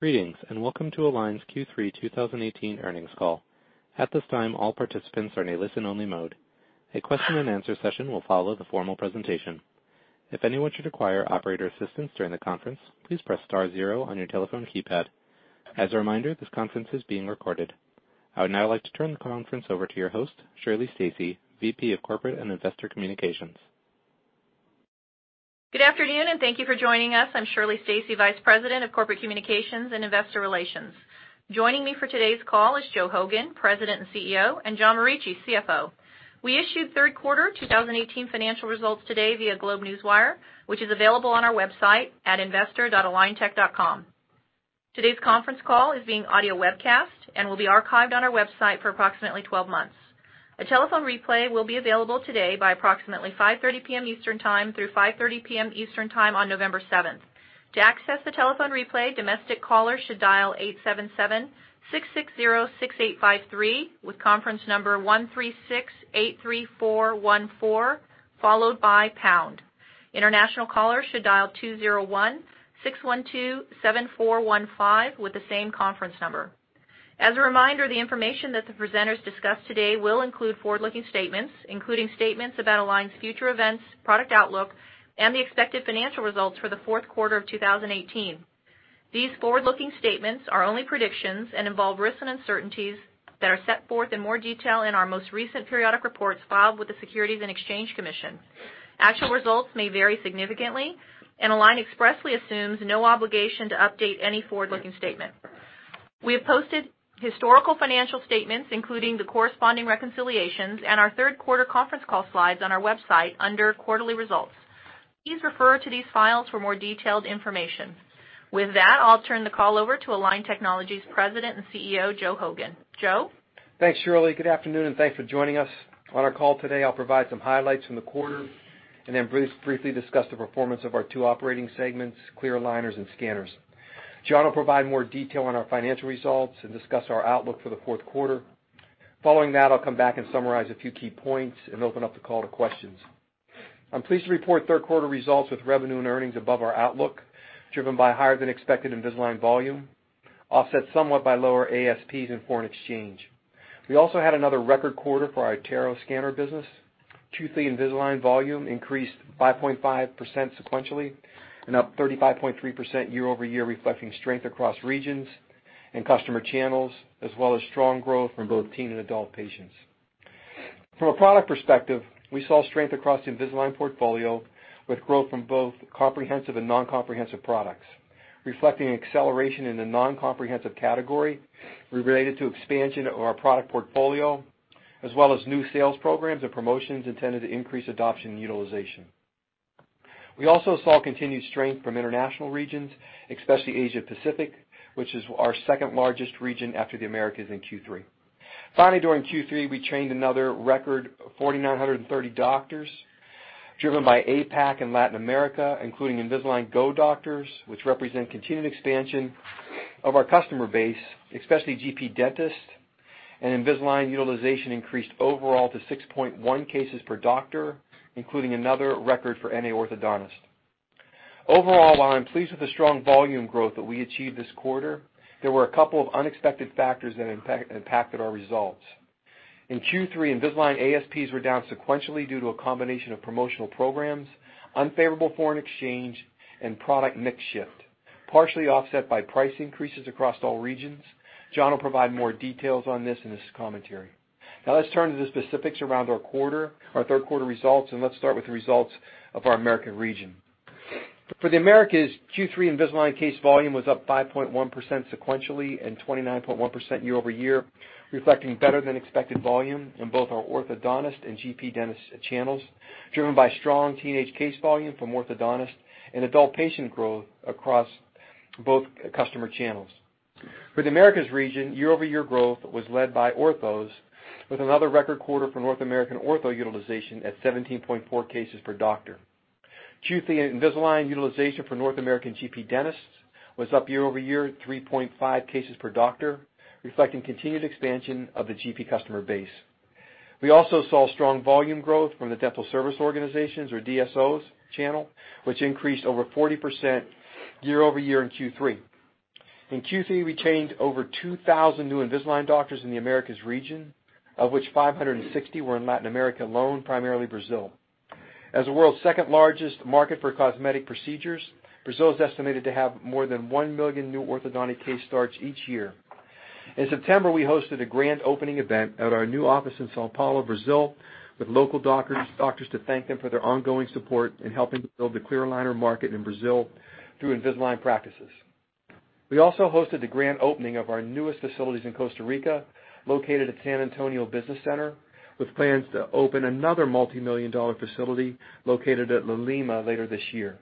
Greetings, welcome to Align's Q3 2018 earnings call. At this time, all participants are in a listen-only mode. A question and answer session will follow the formal presentation. If anyone should require operator assistance during the conference, please press star zero on your telephone keypad. As a reminder, this conference is being recorded. I would now like to turn the conference over to your host, Shirley Stacy, Vice President of Corporate Communications and Investor Relations. Good afternoon, thank you for joining us. I'm Shirley Stacy, Vice President of Corporate Communications and Investor Relations. Joining me for today's call is Joe Hogan, President and CEO, John Morici, CFO. We issued third quarter 2018 financial results today via GlobeNewswire, which is available on our website at investor.aligntech.com. Today's conference call is being audio webcast, will be archived on our website for approximately 12 months. A telephone replay will be available today by approximately 5:30 P.M. Eastern Time through 5:30 P.M. Eastern Time on November 7th. To access the telephone replay, domestic callers should dial 877-660-6853 with conference number 136-83414, followed by pound. International callers should dial 201-612-7415 with the same conference number. As a reminder, the information that the presenters discuss today will include forward-looking statements, including statements about Align's future events, product outlook, the expected financial results for the fourth quarter of 2018. These forward-looking statements are only predictions, involve risks and uncertainties that are set forth in more detail in our most recent periodic reports filed with the Securities and Exchange Commission. Actual results may vary significantly, Align expressly assumes no obligation to update any forward-looking statement. We have posted historical financial statements, including the corresponding reconciliations, our third-quarter conference call slides on our website under quarterly results. Please refer to these files for more detailed information. With that, I'll turn the call over to Align Technology's President and CEO, Joe Hogan. Joe? Thanks, Shirley. Good afternoon, thanks for joining us. On our call today, I'll provide some highlights from the quarter, then briefly discuss the performance of our two operating segments, clear aligners, scanners. John will provide more detail on our financial results, discuss our outlook for the fourth quarter. Following that, I'll come back, summarize a few key points, open up the call to questions. I'm pleased to report third quarter results with revenue, earnings above our outlook, driven by higher than expected Invisalign volume, offset somewhat by lower ASPs, foreign exchange. We also had another record quarter for our iTero scanner business. Total Invisalign volume increased 5.5% sequentially, up 35.3% year-over-year, reflecting strength across regions, customer channels, as well as strong growth from both teen and adult patients. From a product perspective, we saw strength across the Invisalign portfolio with growth from both comprehensive and non-comprehensive products, reflecting an acceleration in the non-comprehensive category related to expansion of our product portfolio, as well as new sales programs and promotions intended to increase adoption and utilization. We also saw continued strength from international regions, especially Asia Pacific, which is our second-largest region after the Americas in Q3. Finally, during Q3, we trained another record of 4,930 doctors, driven by APAC and Latin America, including Invisalign Go doctors, which represent continued expansion of our customer base, especially GP dentists, and Invisalign utilization increased overall to 6.1 cases per doctor, including another record for NA orthodontists. Overall, while I'm pleased with the strong volume growth that we achieved this quarter, there were a couple of unexpected factors that impacted our results. In Q3, Invisalign ASPs were down sequentially due to a combination of promotional programs, unfavorable foreign exchange, and product mix shift, partially offset by price increases across all regions. John will provide more details on this in his commentary. Let's turn to the specifics around our third quarter results, and let's start with the results of our Americas region. For the Americas, Q3 Invisalign case volume was up 5.1% sequentially and 29.1% year-over-year, reflecting better than expected volume in both our orthodontist and GP dentist channels, driven by strong teenage case volume from orthodontists and adult patient growth across both customer channels. For the Americas region, year-over-year growth was led by orthos with another record quarter for North American ortho utilization at 17.4 cases per doctor. Invisalign utilization for North American GP dentists was up year-over-year 3.5 cases per doctor, reflecting continued expansion of the GP customer base. We also saw strong volume growth from the dental service organizations or DSOs channel, which increased over 40% year-over-year in Q3. In Q3, we trained over 2,000 new Invisalign doctors in the Americas region, of which 560 were in Latin America alone, primarily Brazil. As the world's second-largest market for cosmetic procedures, Brazil is estimated to have more than one million new orthodontic case starts each year. In September, we hosted a grand opening event at our new office in São Paulo, Brazil, with local doctors to thank them for their ongoing support in helping to build the clear aligner market in Brazil through Invisalign practices. We also hosted the grand opening of our newest facilities in Costa Rica, located at San Antonio Business Center, with plans to open another multimillion-dollar facility located at La Lima later this year.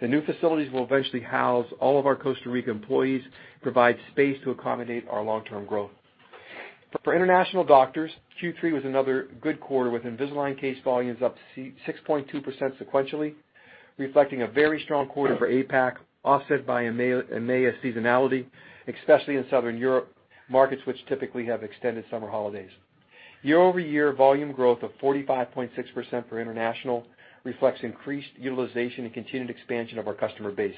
The new facilities will eventually house all of our Costa Rica employees and provide space to accommodate our long-term growth. For international doctors, Q3 was another good quarter with Invisalign case volumes up 6.2% sequentially, reflecting a very strong quarter for APAC, offset by EMEA seasonality, especially in Southern Europe, markets which typically have extended summer holidays. Year-over-year volume growth of 45.6% for international reflects increased utilization and continued expansion of our customer base.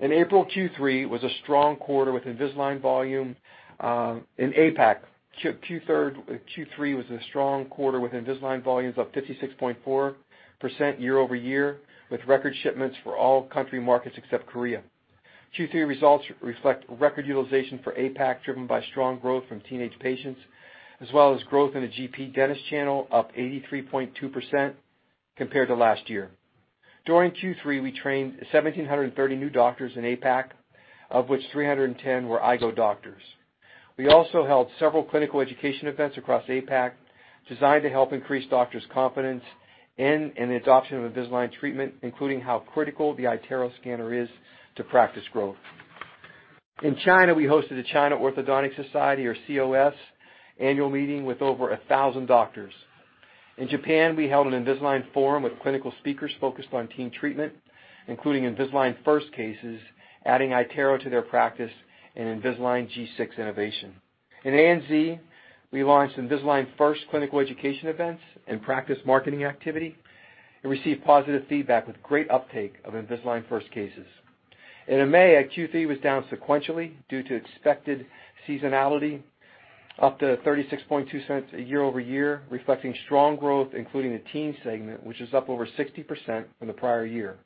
In April, Q3 was a strong quarter with Invisalign volume in APAC. Q3 was a strong quarter with Invisalign volumes up 56.4% year-over-year, with record shipments for all country markets except Korea. Q3 results reflect record utilization for APAC, driven by strong growth from teenage patients, as well as growth in the GP dentist channel up 83.2% compared to last year. During Q3, we trained 1,730 new doctors in APAC, of which 310 were iGo doctors. We also held several clinical education events across APAC designed to help increase doctors' confidence in an adoption of Invisalign treatment, including how critical the iTero scanner is to practice growth. In China, we hosted the Chinese Orthodontic Society, or COS, annual meeting with over 1,000 doctors. In Japan, we held an Invisalign forum with clinical speakers focused on teen treatment, including Invisalign First cases, adding iTero to their practice, and Invisalign G6 innovation. In ANZ, we launched Invisalign First clinical education events and practice marketing activity and received positive feedback with great uptake of Invisalign First cases. In EMEA, Q3 was down sequentially due to expected seasonality, up $36.02 year-over-year, reflecting strong growth, including the teen segment, which is up over 60% from the prior year.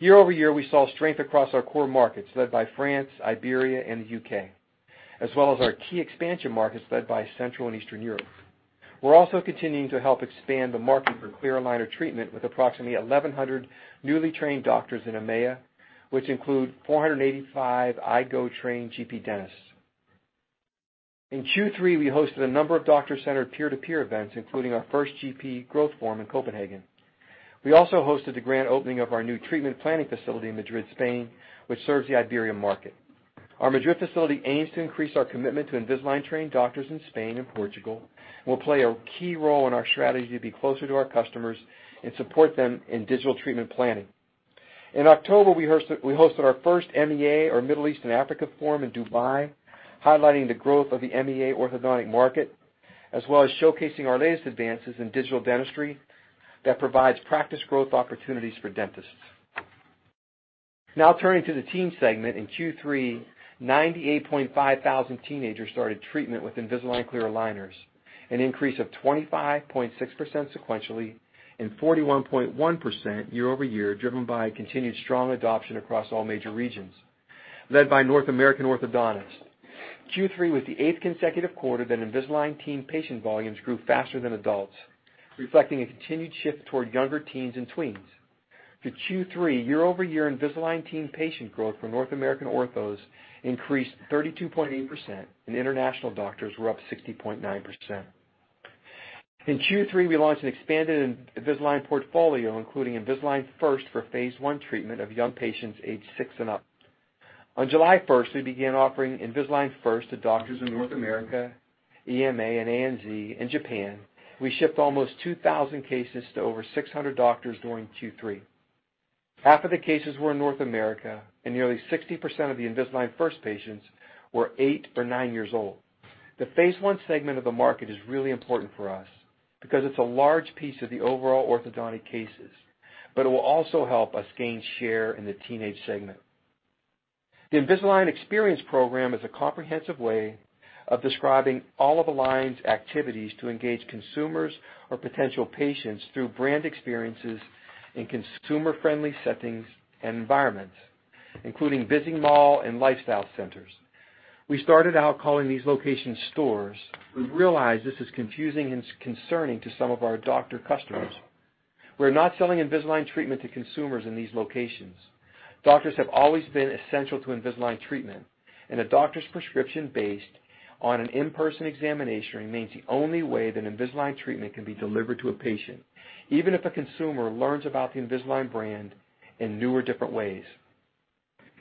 Year-over-year, we saw strength across our core markets led by France, Iberia, and the U.K., as well as our key expansion markets led by Central and Eastern Europe. We're also continuing to help expand the market for clear aligner treatment with approximately 1,100 newly trained doctors in EMEA, which include 485 iGo trained GP dentists. In Q3, we hosted a number of doctor-centered peer-to-peer events, including our first GP growth forum in Copenhagen. We also hosted the grand opening of our new treatment planning facility in Madrid, Spain, which serves the Iberia market. Our Madrid facility aims to increase our commitment to Invisalign-trained doctors in Spain and Portugal and will play a key role in our strategy to be closer to our customers and support them in digital treatment planning. In October, we hosted our first MEA or Middle East and Africa forum in Dubai, highlighting the growth of the MEA orthodontic market, as well as showcasing our latest advances in digital dentistry that provides practice growth opportunities for dentists. Turning to the teen segment. In Q3, 98,500 teenagers started treatment with Invisalign clear aligners, an increase of 25.6% sequentially and 41.1% year-over-year, driven by a continued strong adoption across all major regions, led by North American orthodontists. Q3 was the eighth consecutive quarter that Invisalign teen patient volumes grew faster than adults, reflecting a continued shift toward younger teens and tweens. For Q3, year-over-year Invisalign teen patient growth for North American orthos increased 32.8%, and international doctors were up 60.9%. In Q3, we launched an expanded Invisalign portfolio, including Invisalign First for phase 1 treatment of young patients aged six and up. On July 1st, we began offering Invisalign First to doctors in North America, EMEA and ANZ, and Japan. We shipped almost 2,000 cases to over 600 doctors during Q3. Half of the cases were in North America, and nearly 60% of the Invisalign First patients were eight or nine years old. The phase 1 segment of the market is really important for us because it's a large piece of the overall orthodontic cases, it will also help us gain share in the teenage segment. The Invisalign Experience program is a comprehensive way of describing all of Align's activities to engage consumers or potential patients through brand experiences in consumer-friendly settings and environments, including busy mall and lifestyle centers. We started out calling these locations stores. We realized this is confusing and concerning to some of our doctor customers. We're not selling Invisalign treatment to consumers in these locations. Doctors have always been essential to Invisalign treatment, and a doctor's prescription based on an in-person examination remains the only way that Invisalign treatment can be delivered to a patient, even if a consumer learns about the Invisalign brand in new or different ways.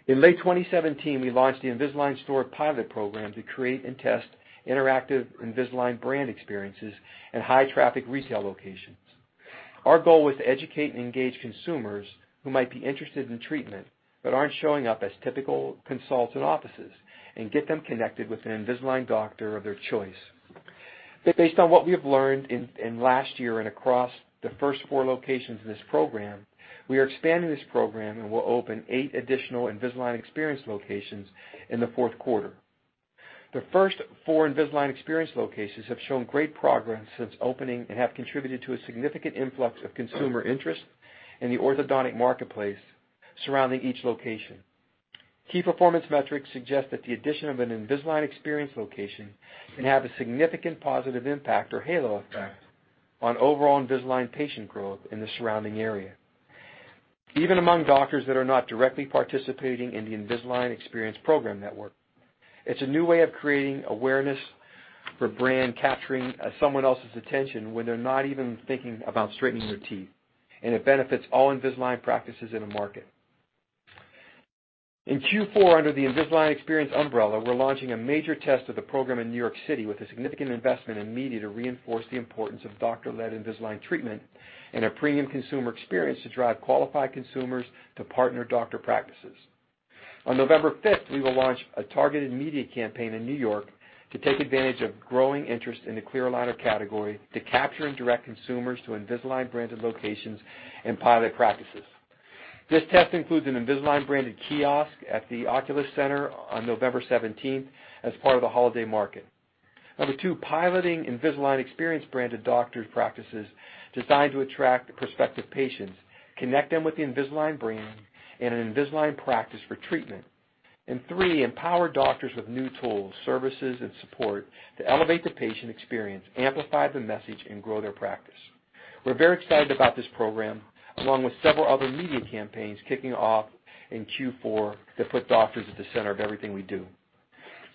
In late 2017, we launched the Invisalign Store pilot program to create and test interactive Invisalign brand experiences at high-traffic retail locations. Our goal was to educate and engage consumers who might be interested in treatment but aren't showing up as typical consults at offices and get them connected with an Invisalign doctor of their choice. Based on what we have learned in last year and across the first four locations in this program, we are expanding this program and will open eight additional Invisalign Experience locations in the fourth quarter. The first four Invisalign Experience locations have shown great progress since opening and have contributed to a significant influx of consumer interest in the orthodontic marketplace surrounding each location. Key performance metrics suggest that the addition of an Invisalign Experience location can have a significant positive impact or halo effect on overall Invisalign patient growth in the surrounding area, even among doctors that are not directly participating in the Invisalign Experience program network. It's a new way of creating awareness for brand capturing someone else's attention when they're not even thinking about straightening their teeth, and it benefits all Invisalign practices in a market. In Q4, under the Invisalign Experience umbrella, we're launching a major test of the program in New York City with a significant investment in media to reinforce the importance of doctor-led Invisalign treatment and a premium consumer experience to drive qualified consumers to partner doctor practices. On November 5th, we will launch a targeted media campaign in New York to take advantage of growing interest in the clear aligner category to capture and direct consumers to Invisalign branded locations and pilot practices. This test includes an Invisalign branded kiosk at the Oculus Center on November 17th as part of the holiday market. Number two, piloting Invisalign Experience branded doctor practices designed to attract prospective patients, connect them with the Invisalign brand, and an Invisalign practice for treatment. Three, empower doctors with new tools, services, and support to elevate the patient experience, amplify the message, and grow their practice. We're very excited about this program, along with several other media campaigns kicking off in Q4 to put doctors at the center of everything we do.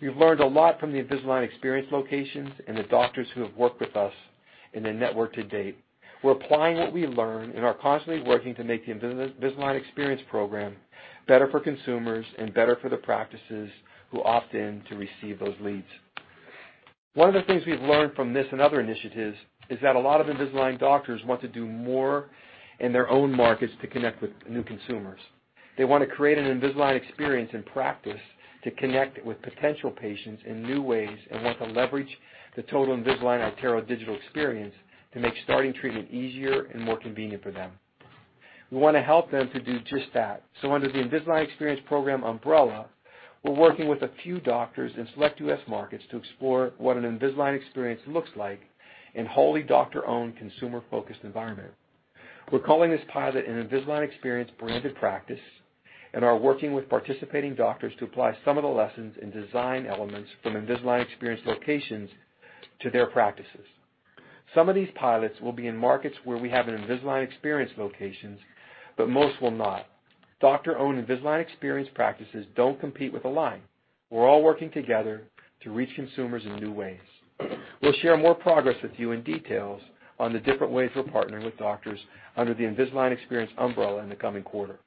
We've learned a lot from the Invisalign Experience locations and the doctors who have worked with us in the network to date. We're applying what we learn and are constantly working to make the Invisalign Experience program better for consumers and better for the practices who opt in to receive those leads. One of the things we've learned from this and other initiatives is that a lot of Invisalign doctors want to do more in their own markets to connect with new consumers. They want to create an Invisalign Experience in practice to connect with potential patients in new ways and want to leverage the total Invisalign iTero digital experience to make starting treatment easier and more convenient for them. We want to help them to do just that. Under the Invisalign Experience program umbrella, we're working with a few doctors in select U.S. markets to explore what an Invisalign Experience looks like in wholly doctor-owned, consumer-focused environment. We're calling this pilot an Invisalign Experience branded practice and are working with participating doctors to apply some of the lessons and design elements from Invisalign Experience locations to their practices. Some of these pilots will be in markets where we have an Invisalign Experience locations, but most will not. Doctor-owned Invisalign Experience practices don't compete with Align. We're all working together to reach consumers in new ways. We'll share more progress with you and details on the different ways we're partnering with doctors under the Invisalign Experience umbrella in the coming quarter.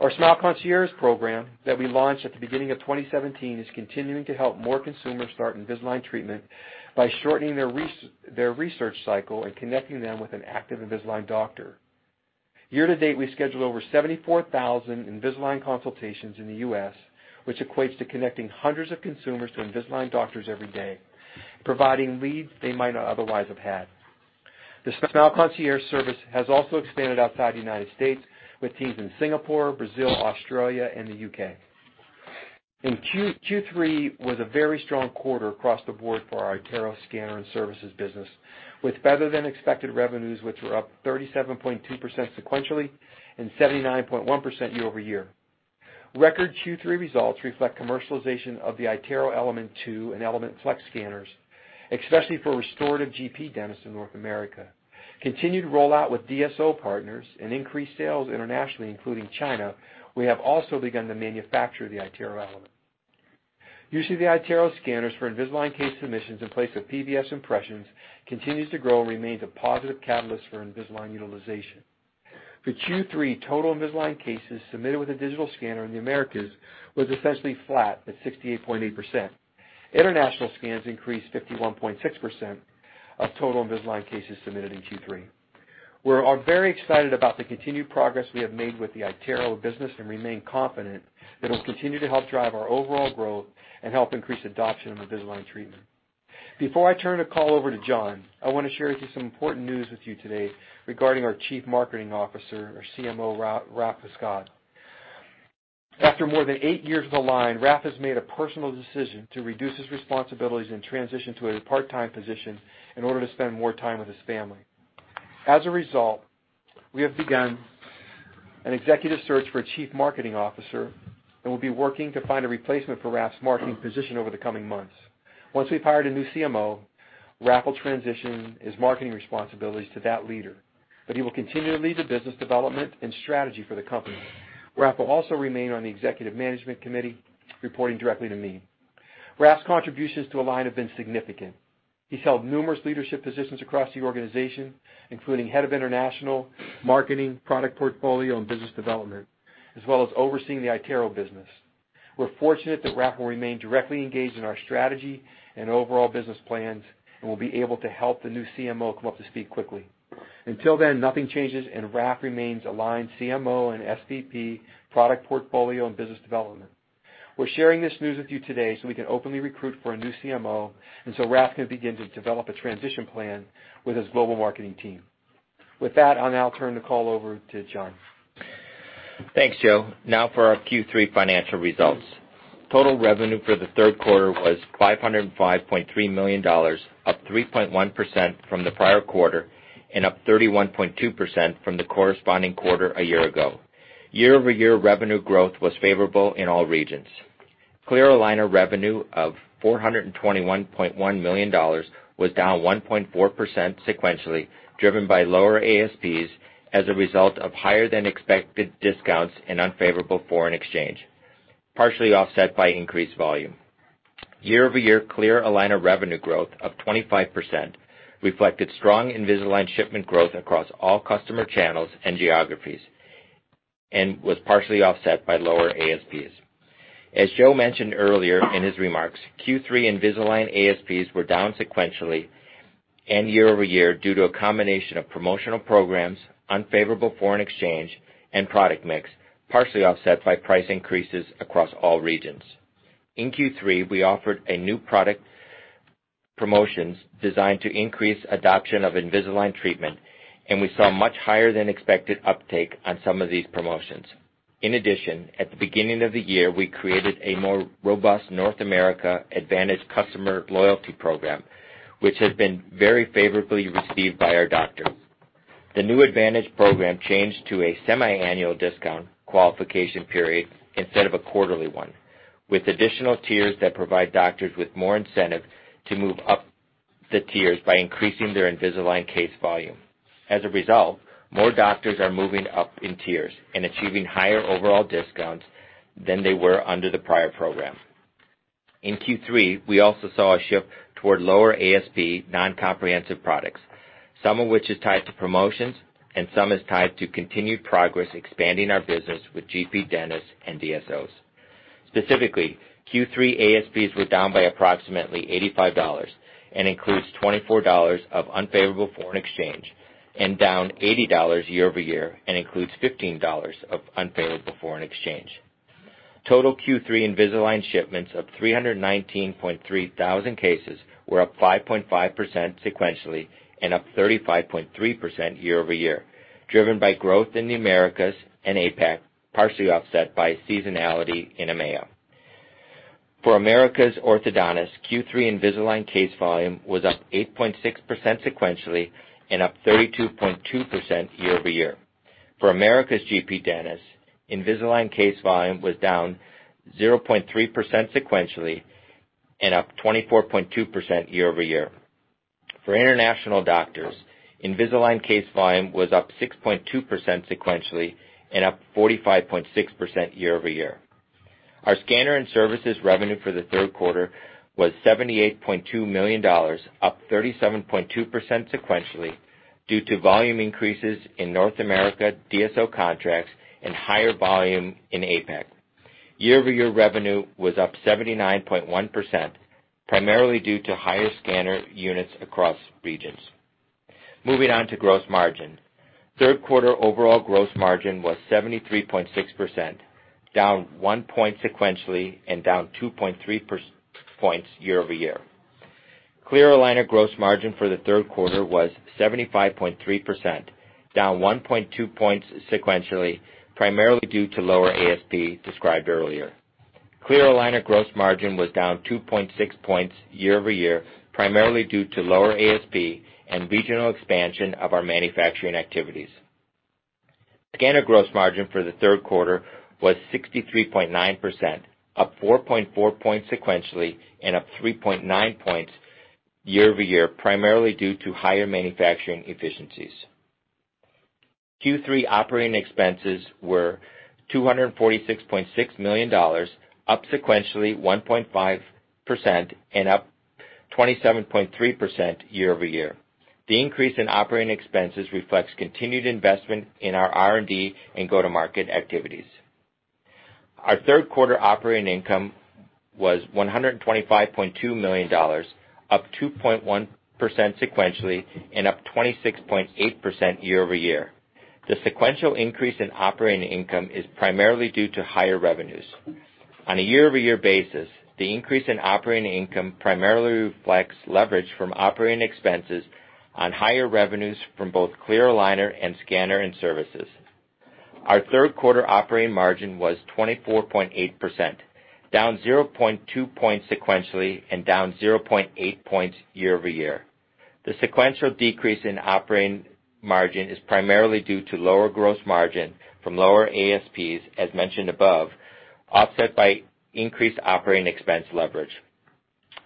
Our Smile Concierge program that we launched at the beginning of 2017 is continuing to help more consumers start Invisalign treatment by shortening their research cycle and connecting them with an active Invisalign doctor. Year to date, we scheduled over 74,000 Invisalign consultations in the U.S., which equates to connecting hundreds of consumers to Invisalign doctors every day, providing leads they might not otherwise have had. The Smile Concierge service has also expanded outside the United States with teams in Singapore, Brazil, Australia, and the U.K. Q3 was a very strong quarter across the board for our iTero scanner and services business, with better-than-expected revenues, which were up 37.2% sequentially and 79.1% year-over-year. Record Q3 results reflect commercialization of the iTero Element 2 and Element Flex scanners, especially for restorative GP dentists in North America. Continued rollout with DSO partners and increased sales internationally, including China. We have also begun to manufacture the iTero Element. Using the iTero scanners for Invisalign case submissions in place of PVS impressions continues to grow and remains a positive catalyst for Invisalign utilization. For Q3, total Invisalign cases submitted with a digital scanner in the Americas was essentially flat at 68.8%. International scans increased 51.6% of total Invisalign cases submitted in Q3. We are very excited about the continued progress we have made with the iTero business and remain confident that it'll continue to help drive our overall growth and help increase adoption of Invisalign treatment. Before I turn the call over to John, I want to share just some important news with you today regarding our Chief Marketing Officer, our CMO, Raf Pascaud. After more than eight years with Align, Raf has made a personal decision to reduce his responsibilities and transition to a part-time position in order to spend more time with his family. As a result, we have begun an executive search for a Chief Marketing Officer and will be working to find a replacement for Raf's marketing position over the coming months. Once we've hired a new CMO, Raf will transition his marketing responsibilities to that leader. He will continue to lead the business development and strategy for the company. Raf will also remain on the executive management committee, reporting directly to me. Raf's contributions to Align have been significant. He's held numerous leadership positions across the organization, including head of international, marketing, product portfolio, and business development, as well as overseeing the iTero business. We're fortunate that Raf will remain directly engaged in our strategy and overall business plans and will be able to help the new CMO come up to speed quickly. Until then, nothing changes and Raf remains Align CMO and SVP, product portfolio and business development. We're sharing this news with you today so we can openly recruit for a new CMO. Raf can begin to develop a transition plan with his global marketing team. Thanks, Joe. I'll now turn the call over to John. Thanks, Joe. Now for our Q3 financial results. Total revenue for the third quarter was $505.3 million, up 3.1% from the prior quarter and up 31.2% from the corresponding quarter a year ago. Year-over-year revenue growth was favorable in all regions. Clear aligner revenue of $421.1 million was down 1.4% sequentially, driven by lower ASPs as a result of higher than expected discounts and unfavorable foreign exchange, partially offset by increased volume. Year-over-year clear aligner revenue growth of 25% reflected strong Invisalign shipment growth across all customer channels and geographies and was partially offset by lower ASPs. As Joe mentioned earlier in his remarks, Q3 Invisalign ASPs were down sequentially and year-over-year due to a combination of promotional programs, unfavorable foreign exchange, and product mix, partially offset by price increases across all regions. In Q3, we offered new product promotions designed to increase adoption of Invisalign treatment. We saw much higher than expected uptake on some of these promotions. In addition, at the beginning of the year, we created a more robust North America Advantage customer loyalty program, which has been very favorably received by our doctors. The new Advantage program changed to a semiannual discount qualification period instead of a quarterly one, with additional tiers that provide doctors with more incentive to move up the tiers by increasing their Invisalign case volume. As a result, more doctors are moving up in tiers and achieving higher overall discounts than they were under the prior program. In Q3, we also saw a shift toward lower ASP non-comprehensive products, some of which is tied to promotions and some is tied to continued progress expanding our business with GP dentists and DSOs. Specifically, Q3 ASPs were down by approximately $85 and includes $24 of unfavorable foreign exchange and down $80 year-over-year and includes $15 of unfavorable foreign exchange. Total Q3 Invisalign shipments of 319.3 thousand cases were up 5.5% sequentially and up 35.3% year-over-year, driven by growth in the Americas and APAC, partially offset by seasonality in EMEA. For Americas orthodontists, Q3 Invisalign case volume was up 8.6% sequentially and up 32.2% year-over-year. For Americas GP dentists, Invisalign case volume was down 0.3% sequentially and up 24.2% year-over-year. For international doctors, Invisalign case volume was up 6.2% sequentially and up 45.6% year-over-year. Our scanner and services revenue for the third quarter was $78.2 million, up 37.2% sequentially due to volume increases in North America DSO contracts and higher volume in APAC. Year-over-year revenue was up 79.1%, primarily due to higher scanner units across regions. Moving on to gross margin. Third quarter overall gross margin was 73.6%, down one point sequentially and down 2.3 points year-over-year. Clear aligner gross margin for the third quarter was 75.3%, down 1.2 points sequentially, primarily due to lower ASP described earlier. Clear aligner gross margin was down 2.6 points year-over-year, primarily due to lower ASP and regional expansion of our manufacturing activities. Scanner gross margin for the third quarter was 63.9%, up 4.4 points sequentially and up 3.9 points year-over-year, primarily due to higher manufacturing efficiencies. Q3 operating expenses were $246.6 million, up sequentially 1.5% and up 27.3% year-over-year. The increase in operating expenses reflects continued investment in our R&D and go-to-market activities. Our third quarter operating income was $125.2 million, up 2.1% sequentially and up 26.8% year-over-year. The sequential increase in operating income is primarily due to higher revenues. On a year-over-year basis, the increase in operating income primarily reflects leverage from operating expenses on higher revenues from both clear aligner and scanner and services. Our third quarter operating margin was 24.8%, down 0.2 points sequentially and down 0.8 points year-over-year. The sequential decrease in operating margin is primarily due to lower gross margin from lower ASPs, as mentioned above, offset by increased operating expense leverage.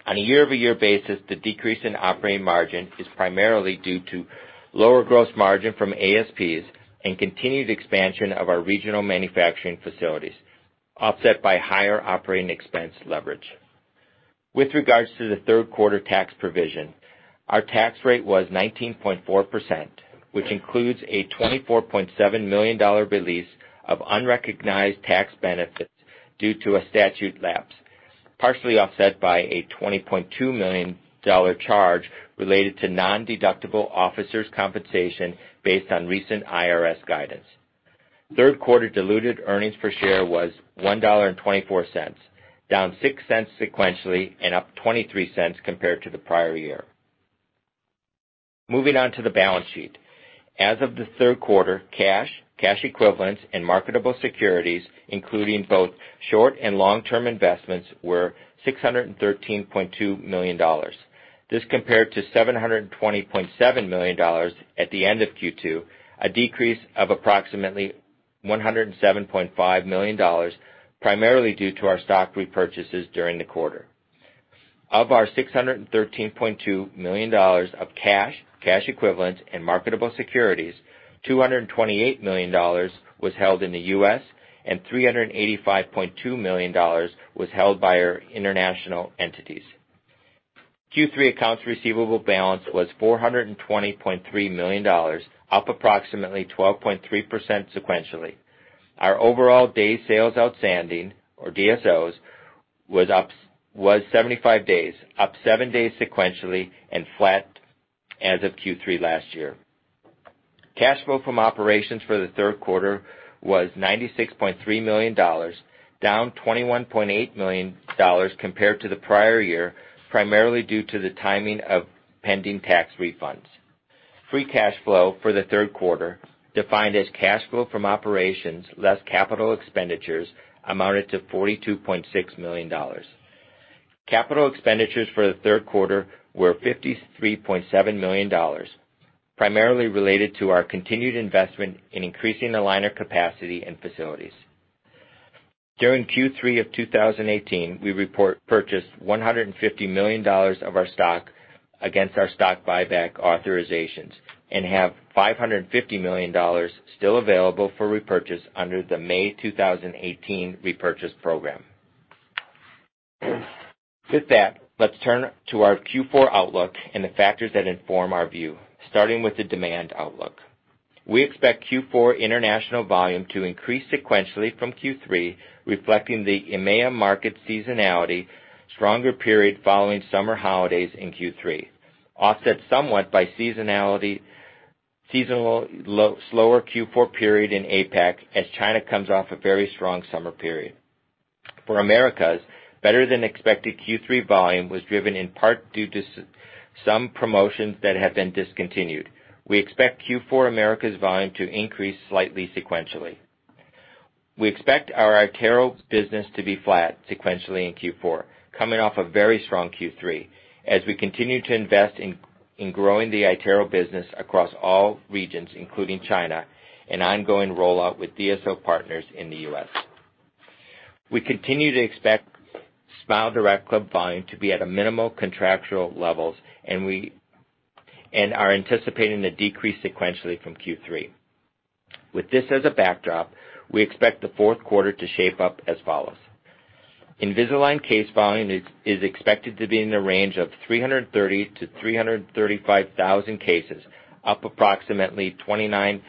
On a year-over-year basis, the decrease in operating margin is primarily due to lower gross margin from ASPs and continued expansion of our regional manufacturing facilities, offset by higher operating expense leverage. With regards to the third quarter tax provision, our tax rate was 19.4%, which includes a $24.7 million release of unrecognized tax benefits due to a statute lapse, partially offset by a $20.2 million charge related to nondeductible officers' compensation based on recent IRS guidance. Third quarter diluted earnings per share was $1.24, down $0.06 sequentially and up $0.23 compared to the prior year. Moving on to the balance sheet. As of the third quarter, cash equivalents, and marketable securities, including both short and long-term investments, were $613.2 million. This compared to $720.7 million at the end of Q2, a decrease of approximately $107.5 million, primarily due to our stock repurchases during the quarter. Of our $613.2 million of cash equivalents, and marketable securities, $228 million was held in the U.S., and $385.2 million was held by our international entities. Q3 accounts receivable balance was $420.3 million, up approximately 12.3% sequentially. Our overall days sales outstanding, or DSOs, was 75 days, up seven days sequentially, and flat as of Q3 last year. Cash flow from operations for the third quarter was $96.3 million, down $21.8 million compared to the prior year, primarily due to the timing of pending tax refunds. Free cash flow for the third quarter, defined as cash flow from operations less capital expenditures, amounted to $42.6 million. Capital expenditures for the third quarter were $53.7 million, primarily related to our continued investment in increasing aligner capacity and facilities. During Q3 of 2018, we repurchased $150 million of our stock against our stock buyback authorizations and have $550 million still available for repurchase under the May 2018 repurchase program. With that, let's turn to our Q4 outlook and the factors that inform our view, starting with the demand outlook. We expect Q4 international volume to increase sequentially from Q3, reflecting the EMEA market seasonality stronger period following summer holidays in Q3, offset somewhat by slower Q4 period in APAC, as China comes off a very strong summer period. For Americas, better-than-expected Q3 volume was driven in part due to some promotions that have been discontinued. We expect Q4 Americas volume to increase slightly sequentially. We expect our iTero business to be flat sequentially in Q4, coming off a very strong Q3, as we continue to invest in growing the iTero business across all regions, including China, and ongoing rollout with DSO partners in the U.S. We continue to expect SmileDirectClub volume to be at a minimal contractual levels and are anticipating a decrease sequentially from Q3. With this as a backdrop, we expect the fourth quarter to shape up as follows. Invisalign case volume is expected to be in the range of 330,000 to 335,000 cases, up approximately 29.4%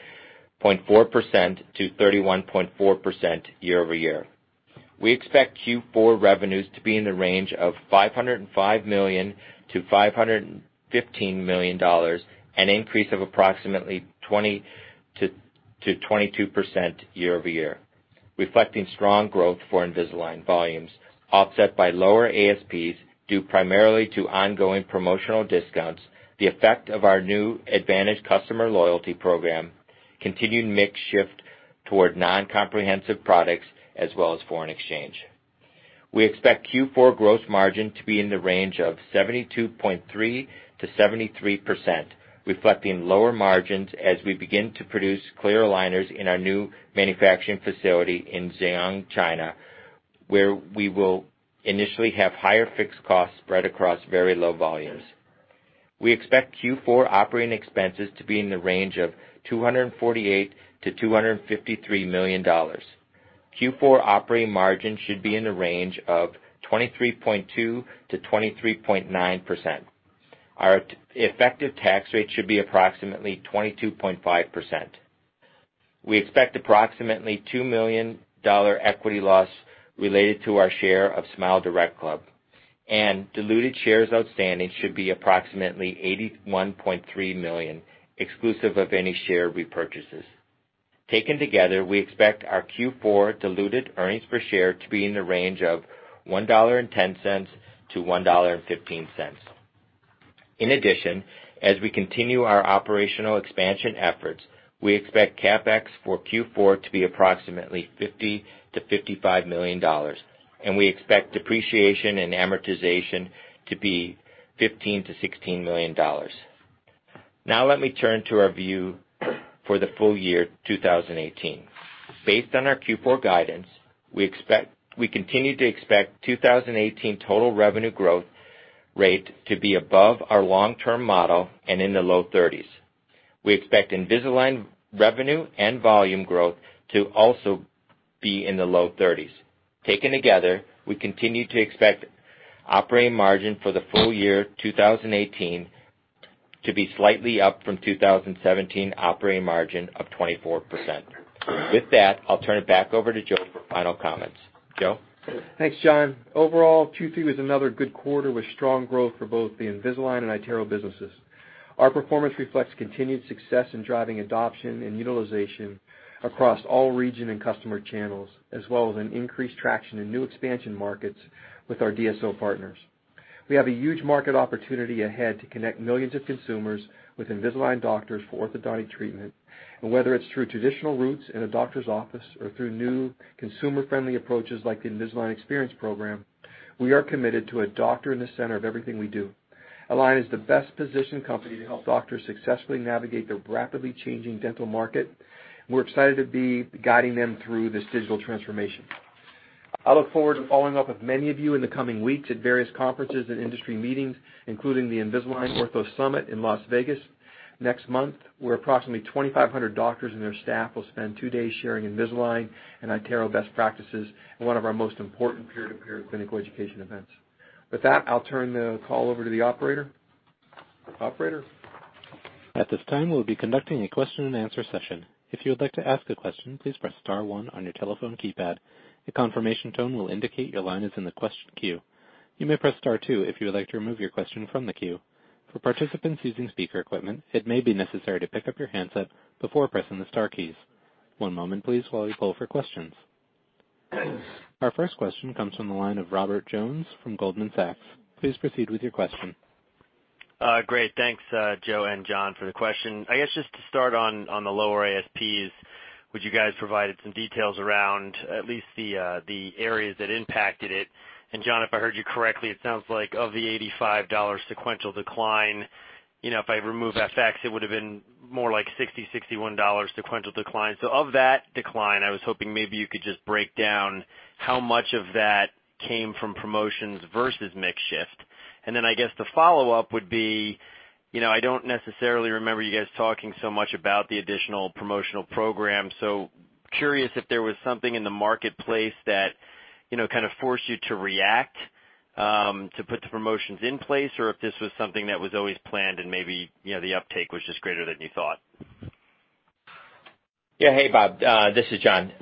to 31.4% year-over-year. We expect Q4 revenues to be in the range of $505 million to $515 million, an increase of approximately 20% to 22% year-over-year, reflecting strong growth for Invisalign volumes, offset by lower ASPs due primarily to ongoing promotional discounts, the effect of our new Advantage customer loyalty program, continued mix shift toward non-comprehensive products, as well as foreign exchange. We expect Q4 gross margin to be in the range of 72.3% to 73%, reflecting lower margins as we begin to produce clear aligners in our new manufacturing facility in Ziyang, China, where we will initially have higher fixed costs spread across very low volumes. We expect Q4 operating expenses to be in the range of $248 to $253 million. Q4 operating margin should be in the range of 23.2% to 23.9%. Our effective tax rate should be approximately 22.5%. We expect approximately $2 million equity loss related to our share of SmileDirectClub, diluted shares outstanding should be approximately 81.3 million, exclusive of any share repurchases. Taken together, we expect our Q4 diluted earnings per share to be in the range of $1.10 to $1.15. In addition, as we continue our operational expansion efforts, we expect CapEx for Q4 to be approximately $50 to $55 million, we expect depreciation and amortization to be $15 to $16 million. Now let me turn to our view for the full year 2018. Based on our Q4 guidance, we continue to expect 2018 total revenue growth rate to be above our long-term model and in the low 30s. We expect Invisalign revenue and volume growth to also be in the low 30s. Taken together, we continue to expect operating margin for the full year 2018 to be slightly up from 2017 operating margin of 24%. With that, I'll turn it back over to Joe for final comments. Joe? Thanks, John. Overall, Q3 was another good quarter with strong growth for both the Invisalign and iTero businesses. Our performance reflects continued success in driving adoption and utilization across all region and customer channels, as well as an increased traction in new expansion markets with our DSO partners. We have a huge market opportunity ahead to connect millions of consumers with Invisalign doctors for orthodontic treatment. Whether it's through traditional routes in a doctor's office or through new consumer-friendly approaches like the Invisalign Experience program, we are committed to a doctor in the center of everything we do. Align is the best-positioned company to help doctors successfully navigate the rapidly changing dental market. We're excited to be guiding them through this digital transformation. I look forward to following up with many of you in the coming weeks at various conferences and industry meetings, including the Invisalign Ortho Summit in Las Vegas next month, where approximately 2,500 doctors and their staff will spend two days sharing Invisalign and iTero best practices in one of our most important peer-to-peer clinical education events. With that, I'll turn the call over to the operator. Operator? At this time, we'll be conducting a question and answer session. If you would like to ask a question, please press star one on your telephone keypad. A confirmation tone will indicate your line is in the question queue. You may press star two if you would like to remove your question from the queue. For participants using speaker equipment, it may be necessary to pick up your handset before pressing the star keys. One moment please while we pull for questions. Our first question comes from the line of Robert Jones from Goldman Sachs. Please proceed with your question. Great. Thanks, Joe and John, for the question. I guess just to start on the lower ASPs, would you guys provide some details around at least the areas that impacted it? John, if I heard you correctly, it sounds like of the $85 sequential decline, if I remove FX, it would have been more like 60, $61 sequential decline. Of that decline, I was hoping maybe you could just break down how much of that came from promotions versus mix shift. I guess the follow-up would be, I don't necessarily remember you guys talking so much about the additional promotional program, so curious if there was something in the marketplace that kind of forced you to react, to put the promotions in place, or if this was something that was always planned and maybe, the uptake was just greater than you thought. Yeah. Hey, Bob. This is John.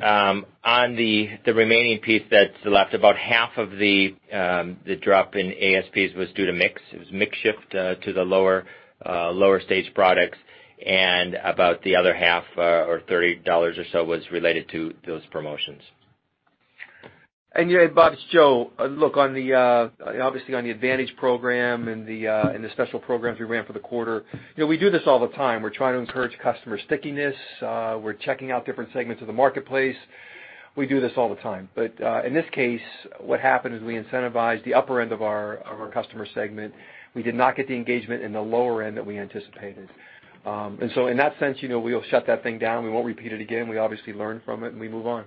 On the remaining piece that's left, about half of the drop in ASPs was due to mix. It was mix shift to the lower stage products and about the other half or $30 or so was related to those promotions. Yeah, Bob, it's Joe. Look, obviously on the Invisalign Advantage Program and the special programs we ran for the quarter, we do this all the time. We're trying to encourage customer stickiness. We're checking out different segments of the marketplace. We do this all the time. In this case, what happened is we incentivized the upper end of our customer segment. We did not get the engagement in the lower end that we anticipated. In that sense, we'll shut that thing down. We won't repeat it again. We obviously learn from it, and we move on.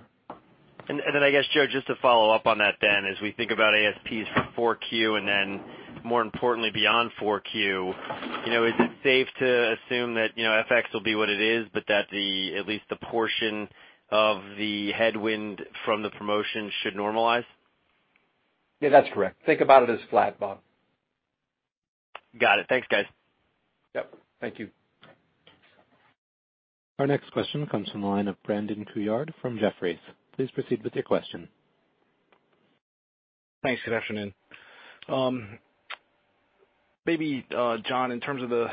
I guess, Joe, just to follow up on that then, as we think about ASPs for 4Q and then more importantly beyond 4Q, is it safe to assume that FX will be what it is, but that at least the portion of the headwind from the promotion should normalize? Yeah, that's correct. Think about it as flat, Bob. Got it. Thanks, guys. Yep, thank you. Our next question comes from the line of Brandon Couillard from Jefferies. Please proceed with your question. Thanks. Good afternoon. Maybe, John, in terms of the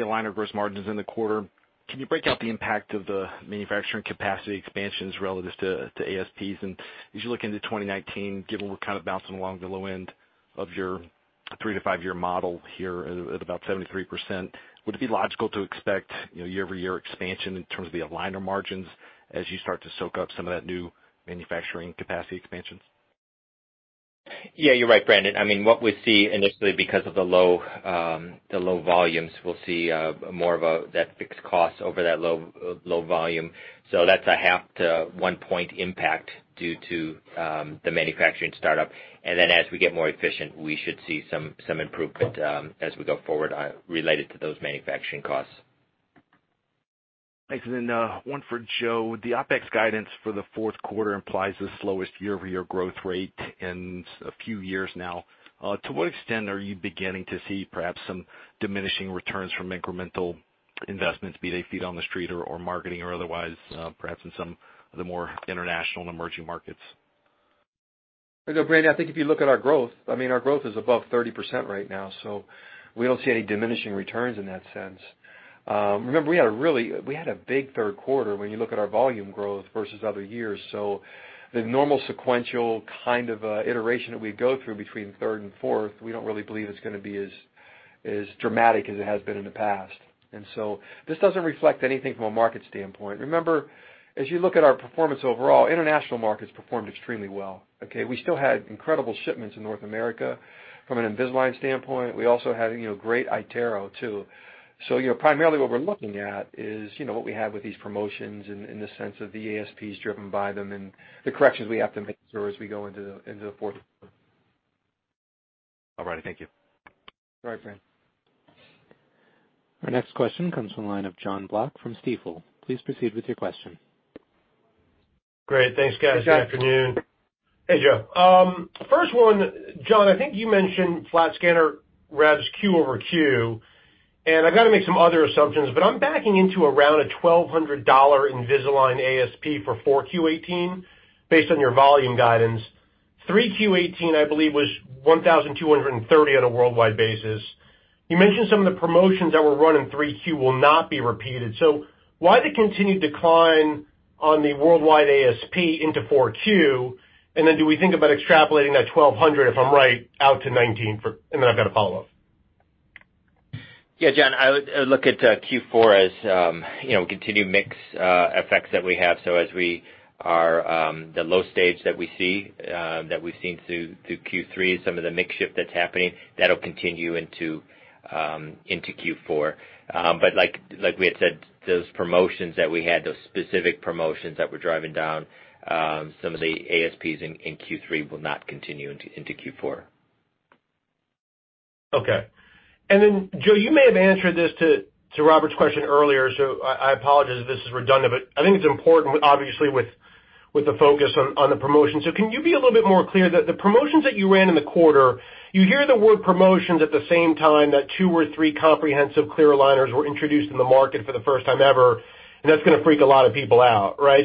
aligner gross margins in the quarter, can you break out the impact of the manufacturing capacity expansions relatives to ASPs? As you look into 2019, given we're kind of bouncing along the low end of your 3-to-5-year model here at about 73%, would it be logical to expect year-over-year expansion in terms of the aligner margins as you start to soak up some of that new manufacturing capacity expansions? Yeah, you're right, Brandon. What we see initially because of the low volumes, we'll see more of that fixed cost over that low volume. That's a half to one point impact due to the manufacturing startup. As we get more efficient, we should see some improvement as we go forward related to those manufacturing costs. Thanks. One for Joe. The OpEx guidance for the fourth quarter implies the slowest year-over-year growth rate in a few years now. To what extent are you beginning to see perhaps some diminishing returns from incremental investments, be they feet on the street or marketing or otherwise, perhaps in some of the more international and emerging markets? No, Brandon, I think if you look at our growth, our growth is above 30% right now, we don't see any diminishing returns in that sense. Remember, we had a big third quarter when you look at our volume growth versus other years. The normal sequential kind of iteration that we go through between third and fourth, we don't really believe it's going to be as dramatic as it has been in the past. This doesn't reflect anything from a market standpoint. Remember, as you look at our performance overall, international markets performed extremely well, okay? We still had incredible shipments in North America from an Invisalign standpoint. We also had great iTero, too. Primarily what we're looking at is what we have with these promotions in the sense of the ASPs driven by them and the corrections we have to make sure as we go into the fourth quarter. All righty. Thank you. All right, Brandon. Our next question comes from the line of Jonathan Block from Stifel. Please proceed with your question. Great. Thanks, guys. Good afternoon. Hey, John. Hey, Joe. First one, John, I think you mentioned flat scanner revs Q-over-Q. I've got to make some other assumptions, but I'm backing into around a $1,200 Invisalign ASP for 4Q18, based on your volume guidance. 3Q18, I believe, was $1,230 on a worldwide basis. You mentioned some of the promotions that were run in 3Q will not be repeated. Why the continued decline on the worldwide ASP into 4Q? Then do we think about extrapolating that $1,200, if I'm right, out to 2019? Then I've got a follow-up. Yeah, John, I would look at Q4 as continued mix effects that we have. As the low stage that we see, that we've seen through Q3, some of the mix shift that's happening, that'll continue into Q4. Like we had said, those promotions that we had, those specific promotions that were driving down some of the ASPs in Q3 will not continue into Q4. Okay. Joe, you may have answered this to Robert's question earlier, so I apologize if this is redundant, but I think it's important obviously with the focus on the promotion. Can you be a little bit more clear that the promotions that you ran in the quarter, you hear the word promotions at the same time that two or three comprehensive clear aligners were introduced in the market for the first time ever, and that's going to freak a lot of people out, right?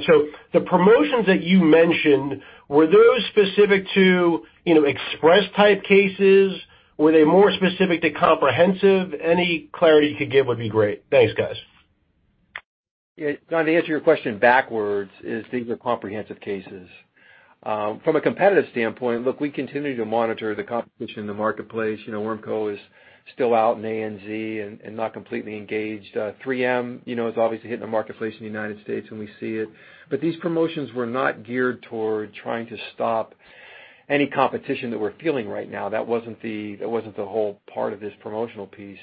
The promotions that you mentioned, were those specific to express type cases? Were they more specific to comprehensive? Any clarity you could give would be great. Thanks, guys. Yeah, John, to answer your question backwards is these are comprehensive cases. From a competitive standpoint, look, we continue to monitor the competition in the marketplace. Ormco is still out in ANZ and not completely engaged. 3M is obviously hitting the marketplace in the U.S., and we see it. These promotions were not geared toward trying to stop any competition that we're feeling right now. That wasn't the whole part of this promotional piece.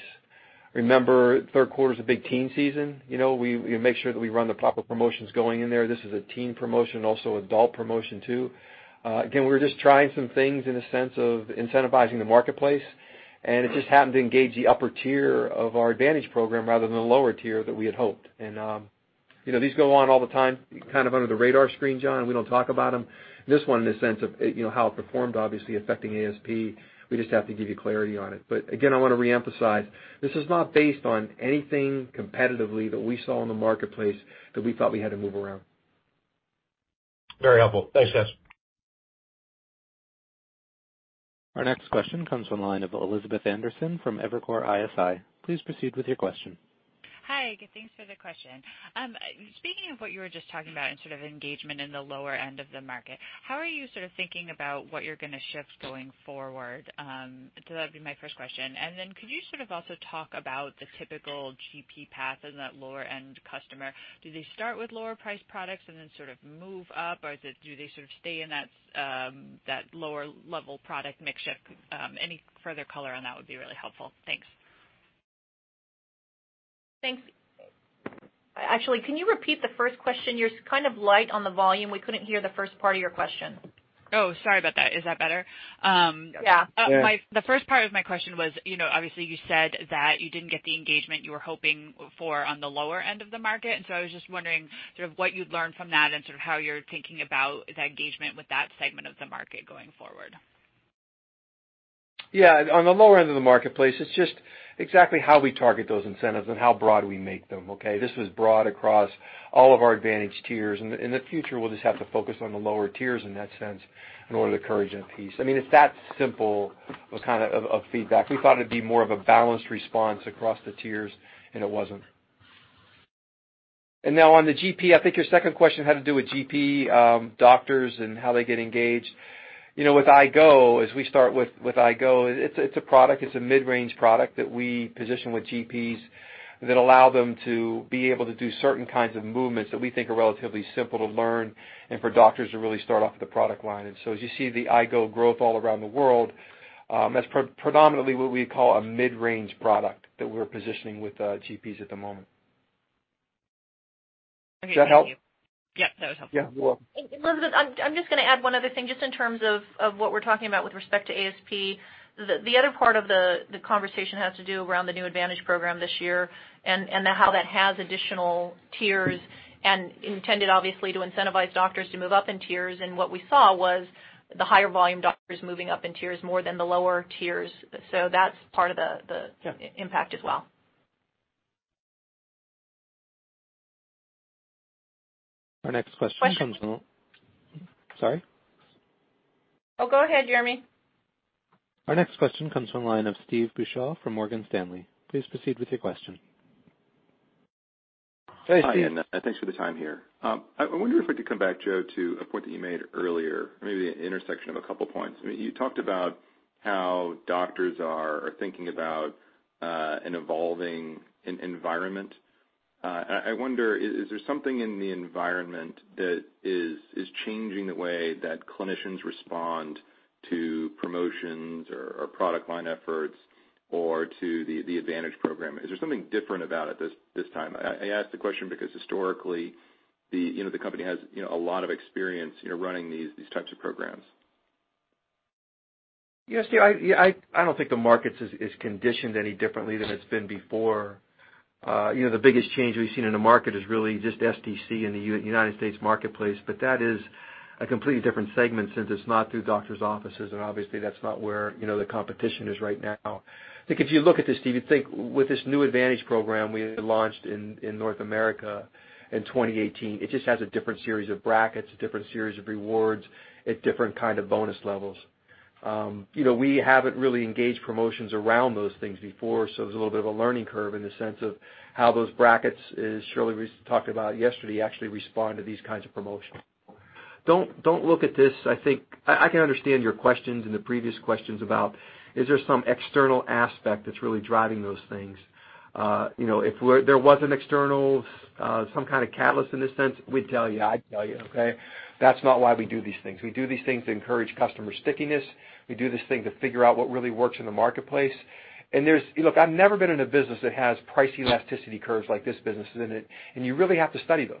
Remember, third quarter is a big teen season. We make sure that we run the proper promotions going in there. This is a teen promotion, also adult promotion, too. Again, we were just trying some things in the sense of incentivizing the marketplace. It just happened to engage the upper tier of our Advantage Program rather than the lower tier that we had hoped. These go on all the time, kind of under the radar screen, John. We don't talk about them. This one, in the sense of how it performed, obviously affecting ASP, we just have to give you clarity on it. Again, I want to reemphasize, this is not based on anything competitively that we saw in the marketplace that we thought we had to move around. Very helpful. Thanks, guys. Our next question comes from the line of Elizabeth Anderson from Evercore ISI. Please proceed with your question. Hi, thanks for the question. Speaking of what you were just talking about in sort of engagement in the lower end of the market, how are you sort of thinking about what you're going to shift going forward? That'd be my first question. Could you sort of also talk about the typical GP path in that lower-end customer? Do they start with lower priced products and then sort of move up, or do they sort of stay in that lower-level product mix shift? Any further color on that would be really helpful. Thanks. Thanks. Actually, can you repeat the first question? You're kind of light on the volume. We couldn't hear the first part of your question. Sorry about that. Is that better? Yeah. Yeah. The first part of my question was, obviously, you said that you didn't get the engagement you were hoping for on the lower end of the market. I was just wondering sort of what you'd learned from that and sort of how you're thinking about that engagement with that segment of the market going forward. Yeah. On the lower end of the marketplace, it's just exactly how we target those incentives and how broad we make them, okay? This was broad across all of our Advantage tiers. In the future, we'll just have to focus on the lower tiers in that sense in order to encourage that piece. It's that simple of feedback. We thought it'd be more of a balanced response across the tiers, and it wasn't. Now on the GP, I think your second question had to do with GP doctors and how they get engaged. With iGo, as we start with iGo, it's a mid-range product that we position with GPs that allow them to be able to do certain kinds of movements that we think are relatively simple to learn and for doctors to really start off with the product line. As you see the iGo growth all around the world, that's predominantly what we call a mid-range product that we're positioning with GPs at the moment. Does that help? Okay, thank you. Yeah, that was helpful. Yeah, you are welcome. Elizabeth, I am just going to add one other thing just in terms of what we are talking about with respect to ASP. The other part of the conversation has to do around the new Advantage Program this year and how that has additional tiers and intended, obviously, to incentivize doctors to move up in tiers. What we saw was the higher volume doctors moving up in tiers more than the lower tiers. That is part of the impact as well. Our next question comes from- Question. Sorry? Oh, go ahead, Jeremy. Our next question comes from the line of Steve Beuchaw from Morgan Stanley. Please proceed with your question. Hey, Steve. Hi, thanks for the time here. I wonder if I could come back, Joe, to a point that you made earlier, maybe an intersection of a couple points. You talked about how doctors are thinking about an evolving environment. I wonder, is there something in the environment that is changing the way that clinicians respond to promotions or product line efforts or to the Invisalign Advantage Program? I ask the question because historically, the company has a lot of experience running these types of programs. Yes, Steve. I don't think the market is conditioned any differently than it's been before. The biggest change we've seen in the market is really just SDC in the U.S. marketplace. That is a completely different segment since it's not through doctors' offices, obviously, that's not where the competition is right now. I think if you look at this, Steve, with this new Invisalign Advantage Program we launched in North America in 2018, it just has a different series of brackets, a different series of rewards at different kind of bonus levels. We haven't really engaged promotions around those things before, so it was a little bit of a learning curve in the sense of how those brackets, as Shirley talked about yesterday, actually respond to these kinds of promotions. Don't look at this, I can understand your questions and the previous questions about, is there some external aspect that's really driving those things? If there was an external, some kind of catalyst in this sense, we'd tell you. I'd tell you, okay? That's not why we do these things. We do these things to encourage customer stickiness. We do this thing to figure out what really works in the marketplace. Look, I've never been in a business that has price elasticity curves like this business is in it, and you really have to study those.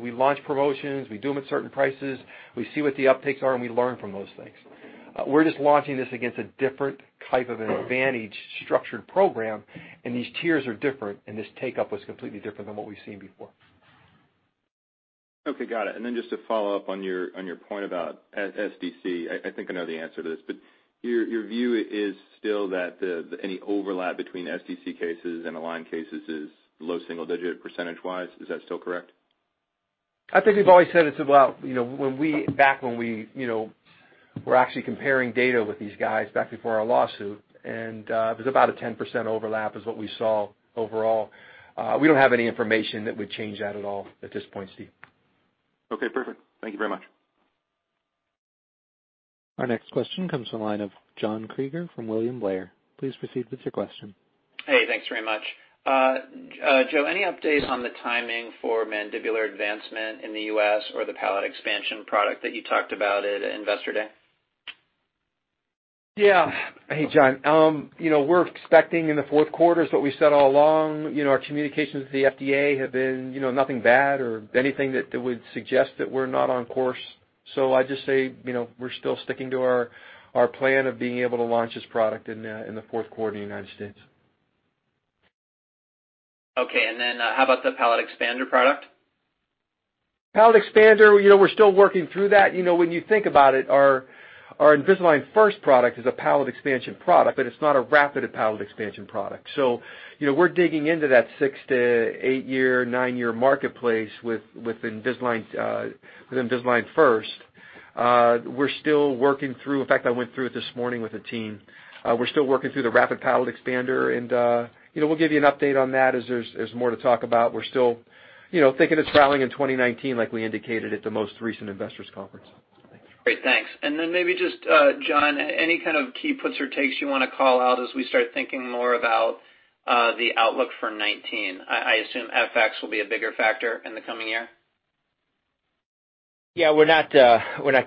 We launch promotions, we do them at certain prices. We see what the uptakes are, and we learn from those things. We're just launching this against a different type of an advantage structured program. These tiers are different. This take-up was completely different than what we've seen before. Okay, got it. Then just to follow up on your point about SDC, I think I know the answer to this, but your view is still that any overlap between SDC cases and Align cases is low single digit percentage-wise. Is that still correct? I think we've always said it's about back when we were actually comparing data with these guys back before our lawsuit. It was about a 10% overlap is what we saw overall. We don't have any information that would change that at all at this point, Steve. Okay, perfect. Thank you very much. Our next question comes from the line of John Kreger from William Blair. Please proceed with your question. Hey, thanks very much. Joe, any update on the timing for mandibular advancement in the U.S. or the palate expansion product that you talked about at Investor Day? Yeah. Hey, John. We're expecting in the fourth quarter is what we said all along. Our communications with the FDA have been nothing bad or anything that would suggest that we're not on course. I just say, we're still sticking to our plan of being able to launch this product in the fourth quarter in the United States. Okay. Then how about the palate expander product? Palate expander, we're still working through that. When you think about it, our Invisalign First product is a palate expansion product, but it's not a rapid palate expansion product. We're digging into that six to eight-year, nine-year marketplace with Invisalign First. We're still working through, in fact, I went through it this morning with the team. We're still working through the rapid palate expander. We'll give you an update on that as there's more to talk about. We're still thinking of trialing in 2019 like we indicated at the most recent investors conference. Great, thanks. Maybe just, John, any kind of key puts or takes you want to call out as we start thinking more about the outlook for 2019? I assume FX will be a bigger factor in the coming year. We're not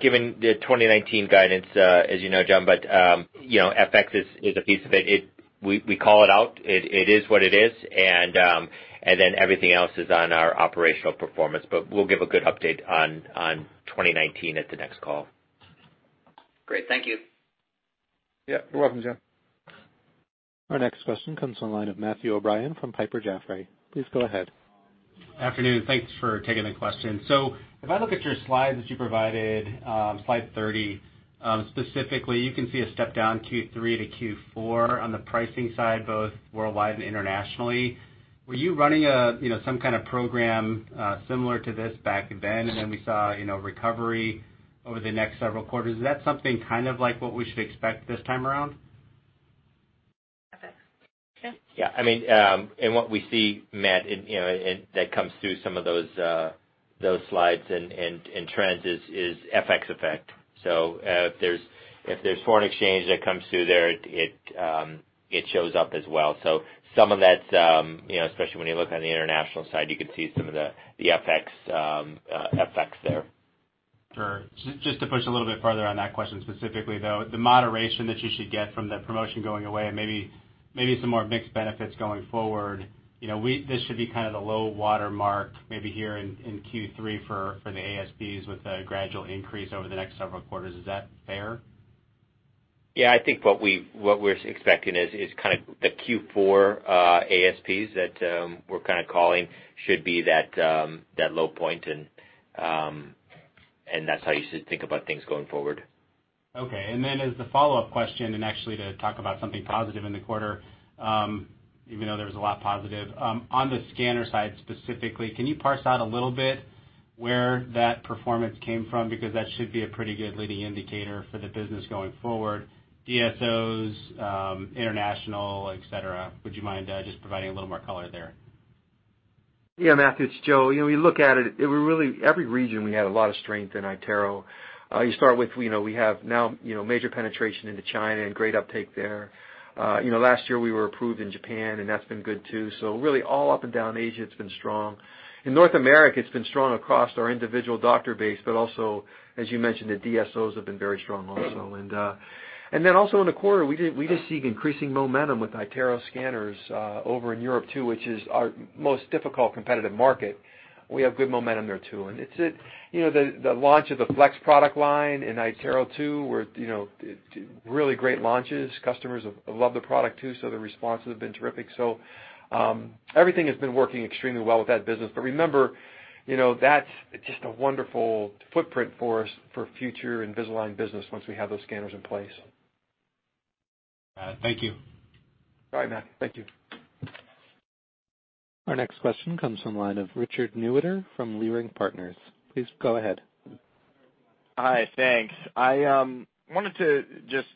giving the 2019 guidance, as you know, John. FX is a piece of it. We call it out. It is what it is. Everything else is on our operational performance. We'll give a good update on 2019 at the next call. Great. Thank you. Yeah. You're welcome, John. Our next question comes from the line of Matthew O'Brien from Piper Jaffray. Please go ahead. Afternoon. Thanks for taking the question. If I look at your slides that you provided, slide 30, specifically, you can see a step down Q3 to Q4 on the pricing side, both worldwide and internationally. Were you running some kind of program similar to this back then? Then we saw recovery over the next several quarters. Is that something like what we should expect this time around? Yeah. What we see, Matt, and that comes through some of those slides and trends is FX effect. If there's foreign exchange that comes through there, it shows up as well. Some of that, especially when you look on the international side, you can see some of the FX there. Sure. Just to push a little bit farther on that question specifically, though, the moderation that you should get from the promotion going away and maybe some more mixed benefits going forward. This should be the low water mark maybe here in Q3 for the ASPs with a gradual increase over the next several quarters. Is that fair? Yeah, I think what we're expecting is the Q4 ASPs that we're calling should be that low point, and that's how you should think about things going forward. Okay. As the follow-up question, actually to talk about something positive in the quarter, even though there was a lot positive. On the scanner side specifically, can you parse out a little bit where that performance came from? Because that should be a pretty good leading indicator for the business going forward, DSOs, international, et cetera. Would you mind just providing a little more color there? Yeah, Matthew, it's Joe. When you look at it, every region we had a lot of strength in iTero. You start with, we have now major penetration into China and great uptake there. Last year we were approved in Japan, and that's been good too. Really all up and down Asia, it's been strong. In North America, it's been strong across our individual doctor base, but also, as you mentioned, the DSOs have been very strong also. Also in the quarter, we just see increasing momentum with iTero scanners over in Europe too, which is our most difficult competitive market. We have good momentum there too. The launch of the Flex product line and iTero 2 were really great launches. Customers love the product too, so the responses have been terrific. Everything has been working extremely well with that business. Remember, that's just a wonderful footprint for us for future Invisalign business once we have those scanners in place. All right. Thank you. All right, Matt. Thank you. Our next question comes from the line of Richard Newitter from Leerink Partners. Please go ahead. Hi, thanks. I wanted to just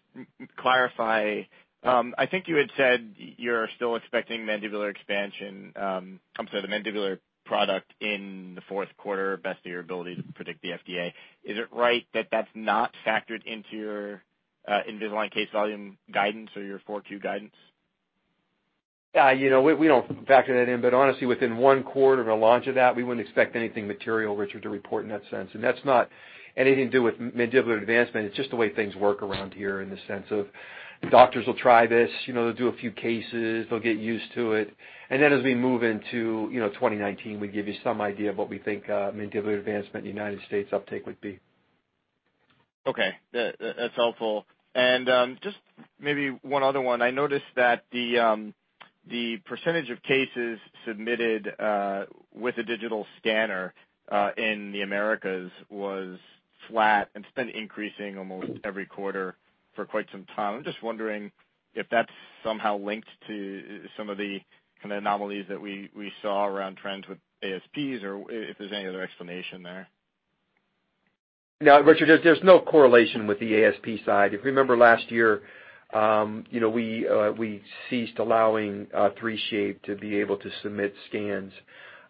clarify. I think you had said you're still expecting mandibular expansion, I'm sorry, the mandibular product in the fourth quarter, best of your ability to predict the FDA. Is it right that that's not factored into your Invisalign case volume guidance or your 4Q guidance? Yeah, we don't factor that in, but honestly, within one quarter of a launch of that, we wouldn't expect anything material, Richard, to report in that sense. That's not anything to do with mandibular advancement. It's just the way things work around here in the sense of doctors will try this, they'll do a few cases, they'll get used to it. Then as we move into 2019, we give you some idea of what we think mandibular advancement in the U.S. uptake would be. Okay. That's helpful. Just maybe one other one. I noticed that the percentage of cases submitted with a digital scanner in the Americas was flat, and it's been increasing almost every quarter for quite some time. I'm just wondering if that's somehow linked to some of the kind of anomalies that we saw around trends with ASPs or if there's any other explanation there. No, Richard, there's no correlation with the ASP side. If you remember last year, we ceased allowing 3Shape to be able to submit scans.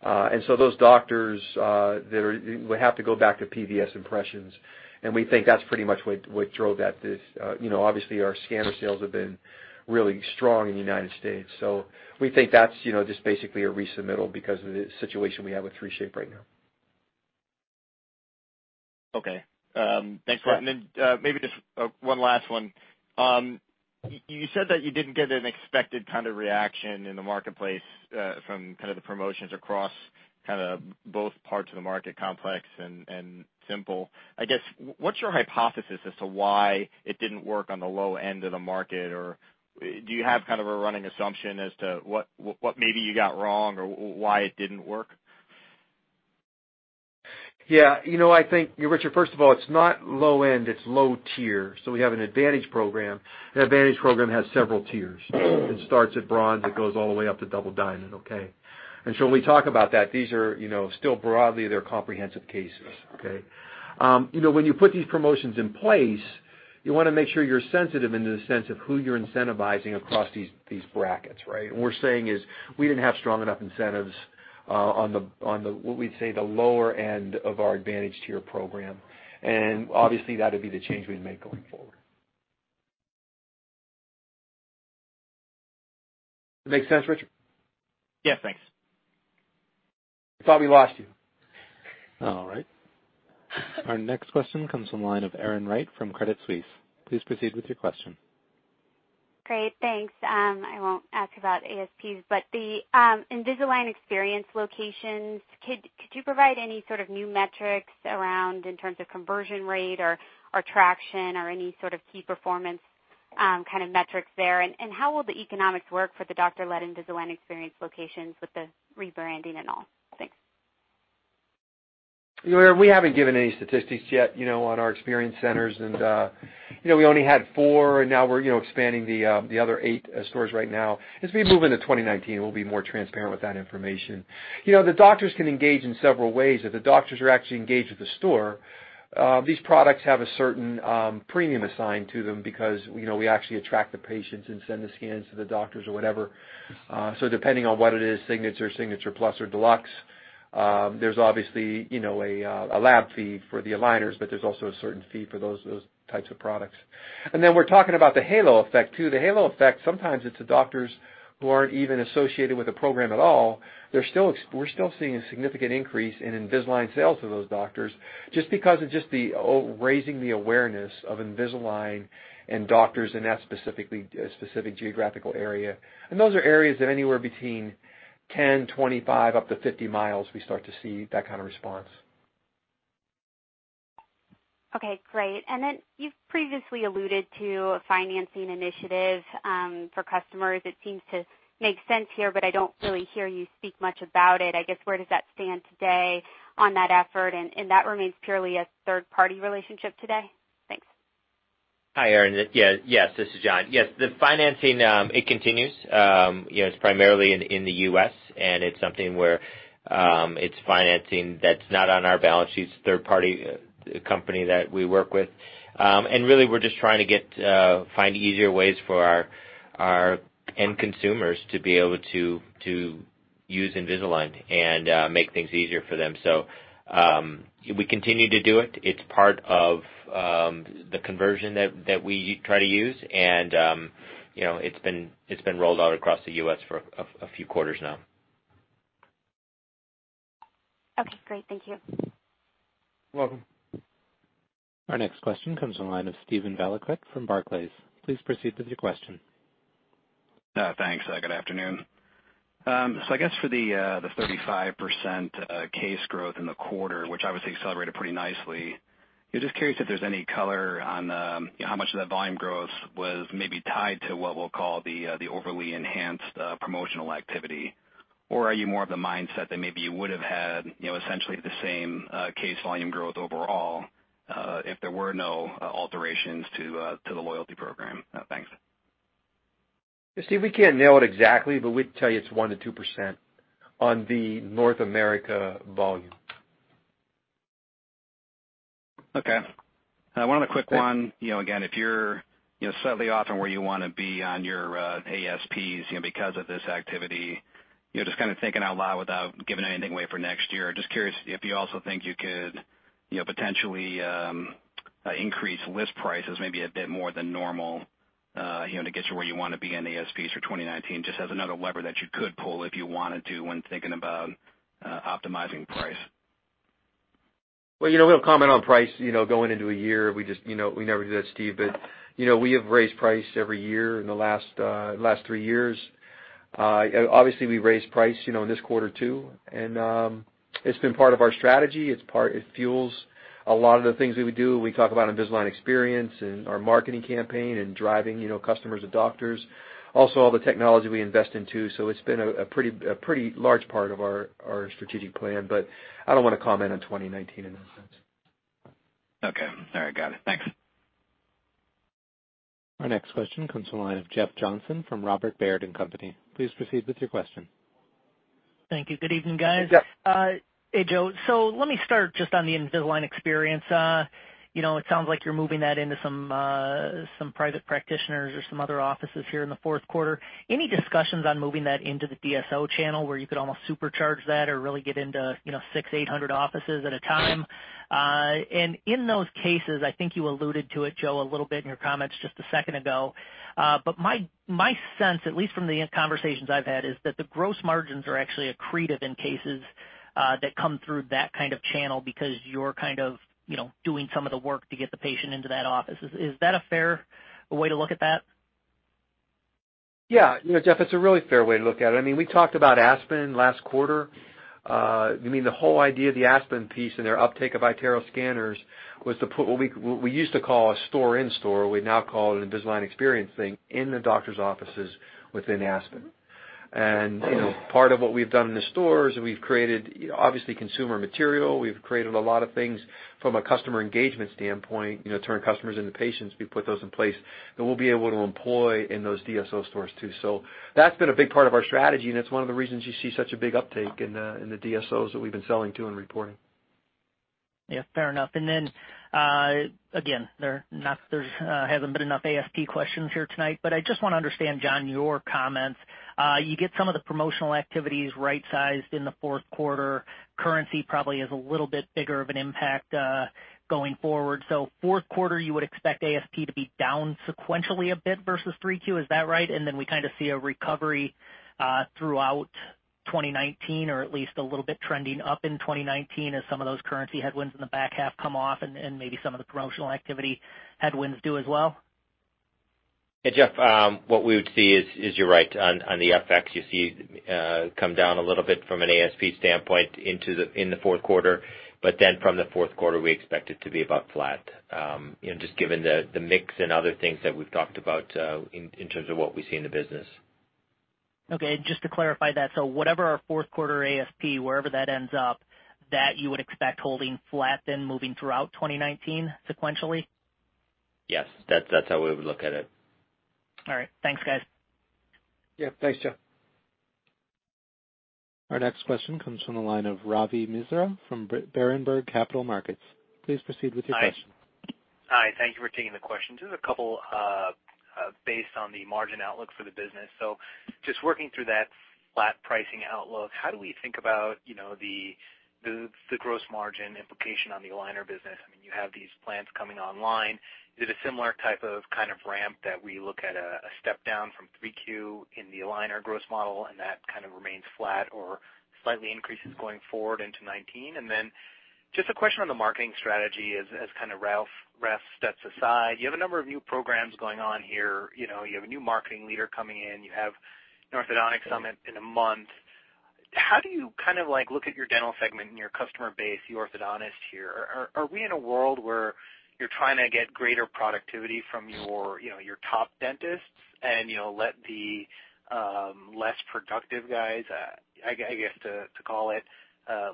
So those doctors would have to go back to PVS impressions, and we think that's pretty much what drove that. Obviously, our scanner sales have been really strong in the U.S., so we think that's just basically a resubmittal because of the situation we have with 3Shape right now. Thanks for that. Maybe just one last one. You said that you didn't get an expected kind of reaction in the marketplace from the promotions across both parts of the market, complex and simple. I guess, what's your hypothesis as to why it didn't work on the low end of the market? Do you have kind of a running assumption as to what maybe you got wrong or why it didn't work? Yeah. Richard, first of all, it's not low end, it's low tier. We have an Advantage Program. The Advantage Program has several tiers. It starts at bronze, it goes all the way up to double diamond, okay? When we talk about that, these are still broadly, they're comprehensive cases, okay? When you put these promotions in place, you want to make sure you're sensitive in the sense of who you're incentivizing across these brackets, right? What we're saying is, we didn't have strong enough incentives on the, what we'd say, the lower end of our Advantage Tier Program. Obviously, that'd be the change we'd make going forward. Does that make sense, Richard? Yeah, thanks. I thought we lost you. All right. Our next question comes from the line of Erin Wright from Credit Suisse. Please proceed with your question. Great, thanks. I won't ask about ASPs, but the Invisalign Experience locations, could you provide any sort of new metrics around in terms of conversion rate or traction or any sort of key performance kind of metrics there? How will the economics work for the doctor-led Invisalign Experience locations with the rebranding and all? Thanks. Erin, we haven't given any statistics yet on our experience centers. We only had four, and now we're expanding the other eight stores right now. As we move into 2019, we'll be more transparent with that information. The doctors can engage in several ways. If the doctors are actually engaged with the store, these products have a certain premium assigned to them because we actually attract the patients and send the scans to the doctors or whatever. So depending on what it is, Signature Plus, or Deluxe, there's obviously a lab fee for the aligners, but there's also a certain fee for those types of products. Then we're talking about the halo effect, too. The halo effect, sometimes it's the doctors who aren't even associated with the program at all. We're still seeing a significant increase in Invisalign sales to those doctors just because of just the raising the awareness of Invisalign and doctors in that specific geographical area. Those are areas that anywhere between 10, 25, up to 50 miles, we start to see that kind of response. Okay, great. You've previously alluded to a financing initiative for customers. It seems to make sense here, but I don't really hear you speak much about it. I guess, where does that stand today on that effort, and that remains purely a third-party relationship today? Thanks. Hi, Erin. Yes. This is John. Yes, the financing, it continues. It's primarily in the U.S. It's something where it's financing that's not on our balance sheets, a third-party company that we work with. Really, we're just trying to find easier ways for our end consumers to be able to use Invisalign and make things easier for them. We continue to do it. It's part of the conversion that we try to use, and it's been rolled out across the U.S. for a few quarters now. Okay, great. Thank you. You're welcome. Our next question comes from the line of Steven Valiquette from Barclays. Please proceed with your question. Thanks. Good afternoon. I guess for the 35% case growth in the quarter, which obviously accelerated pretty nicely, just curious if there's any color on how much of that volume growth was maybe tied to what we'll call the overly enhanced promotional activity. Or are you more of the mindset that maybe you would have had essentially the same case volume growth overall, if there were no alterations to the loyalty program? Thanks. Steve, we can't nail it exactly, but we'd tell you it's 1%-2% on the North America volume. Okay. One other quick one. Again, if you're slightly off from where you want to be on your ASPs because of this activity, just kind of thinking out loud without giving anything away for next year, just curious if you also think you could potentially increase list prices maybe a bit more than normal to get you where you want to be in ASPs for 2019, just as another lever that you could pull if you wanted to when thinking about optimizing price. We don't comment on price going into a year. We never do that, Steve. We have raised price every year in the last 3 years. Obviously, we raised price in this quarter, too, and it's been part of our strategy. It fuels a lot of the things that we do when we talk about Invisalign Experience and our marketing campaign and driving customers and doctors. All the technology we invest into. It's been a pretty large part of our strategic plan, but I don't want to comment on 2019 in that sense. Okay. All right. Got it. Thanks. Our next question comes from the line of Jeff Johnson from Robert Baird & Co. Please proceed with your question. Thank you. Good evening, guys. Jeff. Hey, Joe. Let me start just on the Invisalign Experience. It sounds like you're moving that into some private practitioners or some other offices here in the fourth quarter. Any discussions on moving that into the DSO channel where you could almost supercharge that or really get into 600, 800 offices at a time? In those cases, I think you alluded to it, Joe, a little bit in your comments just a second ago, but my sense, at least from the conversations I've had, is that the gross margins are actually accretive in cases that come through that kind of channel because you're kind of doing some of the work to get the patient into that office. Is that a fair way to look at that? Yeah. Jeff, it's a really fair way to look at it. We talked about Aspen last quarter. The whole idea of the Aspen piece and their uptake of iTero scanners was to put what we used to call a store-in-store, we now call an Invisalign Experience thing, in the doctor's offices within Aspen. Part of what we've done in the stores, and we've created, obviously, consumer material. We've created a lot of things from a customer engagement standpoint, turn customers into patients. We put those in place that we'll be able to employ in those DSO stores, too. That's been a big part of our strategy, and it's one of the reasons you see such a big uptake in the DSOs that we've been selling to and reporting. Yeah, fair enough. Then, again, there hasn't been enough ASP questions here tonight, but I just want to understand, John, your comments. You get some of the promotional activities right-sized in the fourth quarter. Currency probably is a little bit bigger of an impact going forward. Fourth quarter, you would expect ASP to be down sequentially a bit versus 3Q, is that right? Then we kind of see a recovery throughout 2019, or at least a little bit trending up in 2019 as some of those currency headwinds in the back half come off and maybe some of the promotional activity headwinds do as well? Yeah, Jeff, what we would see is, you're right. On the FX, you see it come down a little bit from an ASP standpoint in the fourth quarter. From the fourth quarter, we expect it to be about flat, just given the mix and other things that we've talked about in terms of what we see in the business. Okay, just to clarify that, so whatever our fourth quarter ASP, wherever that ends up, that you would expect holding flat then moving throughout 2019 sequentially? Yes. That's how we would look at it. All right. Thanks, guys. Yeah. Thanks, Jeff. Our next question comes from the line of Ravi Misra from Berenberg Capital Markets. Please proceed with your question. Hi. Thank you for taking the question. Just a couple based on the margin outlook for the business. Just working through that flat pricing outlook, what do we think about the gross margin implication on the aligner business? You have these plans coming online. Is it a similar type of kind of ramp that we look at a step down from three Q in the aligner gross model and that kind of remains flat or slightly increases going forward into 2019? Then just a question on the marketing strategy as kind of Raf steps aside. You have a number of new programs going on here. You have a new marketing leader coming in. You have an Invisalign Ortho Summit in a month. How do you kind of look at your dental segment and your customer base, the orthodontist here? Are we in a world where you're trying to get greater productivity from your top dentists and let the less productive guys, I guess to call it,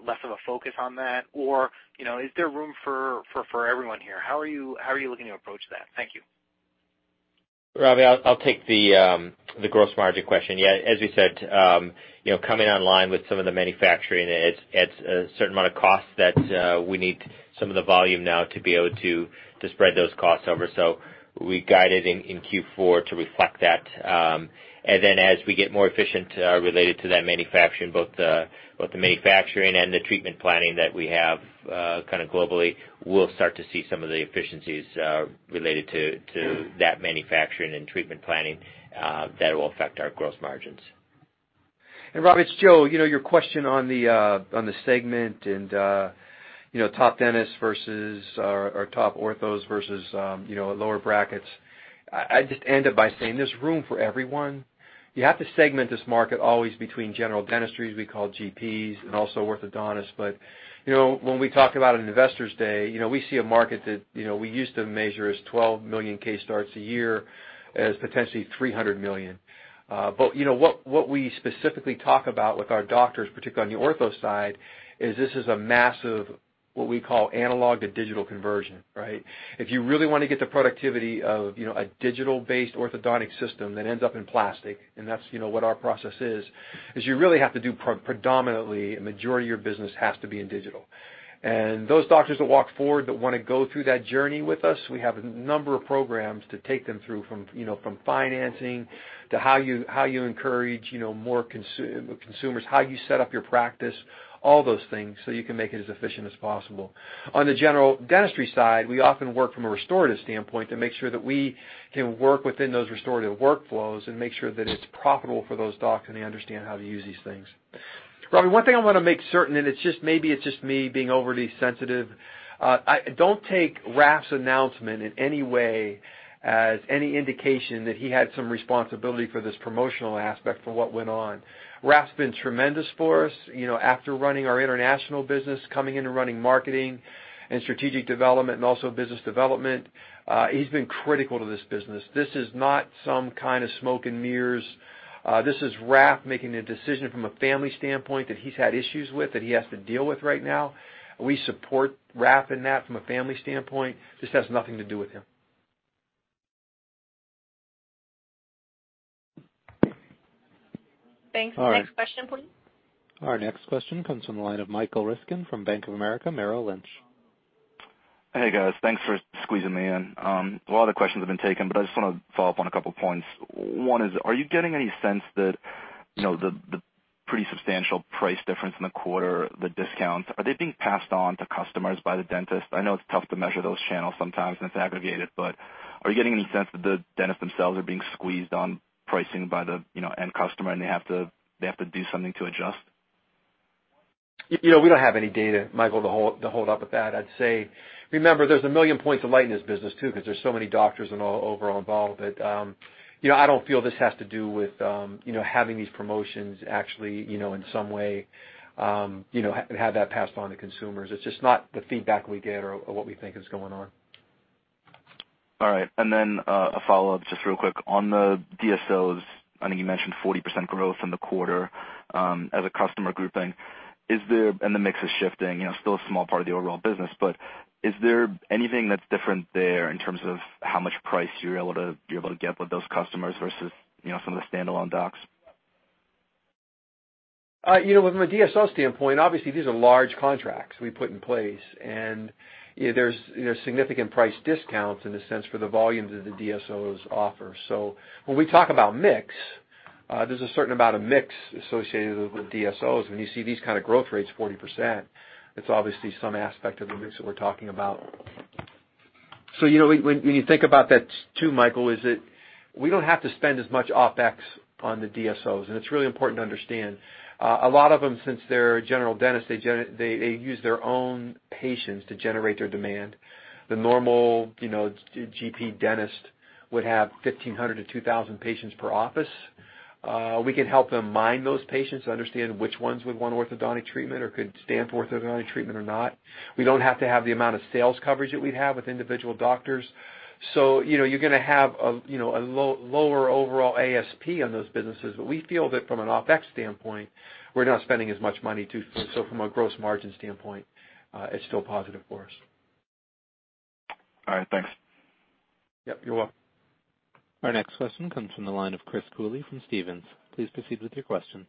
less of a focus on that? Or is there room for everyone here? How are you looking to approach that? Thank you. Ravi, I'll take the gross margin question. As we said, coming online with some of the manufacturing, it's a certain amount of cost that we need some of the volume now to be able to spread those costs over. We guided in Q4 to reflect that. As we get more efficient related to that manufacturing, both the manufacturing and the treatment planning that we have kind of globally, we'll start to see some of the efficiencies related to that manufacturing and treatment planning that will affect our gross margins. Ravi, it's Joe. Your question on the segment and top dentists versus, or top orthos versus lower brackets. I'd just end it by saying there's room for everyone. You have to segment this market always between general dentistry, as we call GPs, and also orthodontists. When we talk about an Investors Day, we see a market that we used to measure as 12 million case starts a year as potentially 300 million. What we specifically talk about with our doctors, particularly on the ortho side, is this is a massive, what we call analog to digital conversion, right? If you really want to get the productivity of a digital-based orthodontic system that ends up in plastic, and that's what our process is you really have to do predominantly, a majority of your business has to be in digital. Those doctors that walk forward that want to go through that journey with us, we have a number of programs to take them through from financing to how you encourage more consumers, how you set up your practice, all those things so you can make it as efficient as possible. On the general dentistry side, we often work from a restorative standpoint to make sure that we can work within those restorative workflows and make sure that it's profitable for those docs and they understand how to use these things. Ravi, one thing I want to make certain, and maybe it's just me being overly sensitive. Don't take Raf's announcement in any way as any indication that he had some responsibility for this promotional aspect for what went on. Raf's been tremendous for us, after running our international business, coming in and running marketing and strategic development, and also business development. He's been critical to this business. This is not some kind of smoke and mirrors. This is Raf making a decision from a family standpoint that he's had issues with, that he has to deal with right now. We support Raf in that from a family standpoint. This has nothing to do with him. Thanks. Next question, please. Our next question comes from the line of Michael Spokoyny from Bank of America Merrill Lynch. Hey, guys. Thanks for squeezing me in. A lot of the questions have been taken. I just want to follow up on a couple points. One is, are you getting any sense that, the pretty substantial price difference in the quarter, the discounts, are they being passed on to customers by the dentist? I know it's tough to measure those channels sometimes, and it's aggregated. Are you getting any sense that the dentists themselves are being squeezed on pricing by the end customer, and they have to do something to adjust? We don't have any data, Michael, to hold up with that. I'd say, remember, there's a million points of light in this business too, because there's so many doctors and all overall involved that I don't feel this has to do with having these promotions actually, in some way, have that passed on to consumers. It's just not the feedback we get or what we think is going on. All right. A follow-up, just real quick. On the DSOs, I think you mentioned 40% growth in the quarter, as a customer grouping. The mix is shifting, still a small part of the overall business. Is there anything that's different there in terms of how much price you're able to be able to get with those customers versus some of the standalone docs? From a DSO standpoint, obviously, these are large contracts we put in place. There's significant price discounts in the sense for the volumes that the DSOs offer. When we talk about mix, there's a certain amount of mix associated with DSOs. When you see these kind of growth rates, 40%, it's obviously some aspect of the mix that we're talking about. When you think about that, too, Michael, is that we don't have to spend as much OpEx on the DSOs. It's really important to understand. A lot of them, since they're general dentists, they use their own patients to generate their demand. The normal GP dentist would have 1,500 to 2,000 patients per office. We can help them mine those patients to understand which ones would want orthodontic treatment or could stand for orthodontic treatment or not. We don't have to have the amount of sales coverage that we'd have with individual doctors. You're going to have a lower overall ASP on those businesses, but we feel that from an OpEx standpoint, we're not spending as much money. From a gross margin standpoint, it's still positive for us. All right. Thanks. Yep, you're welcome. Our next question comes from the line of Chris Cooley from Stephens. Please proceed with your question.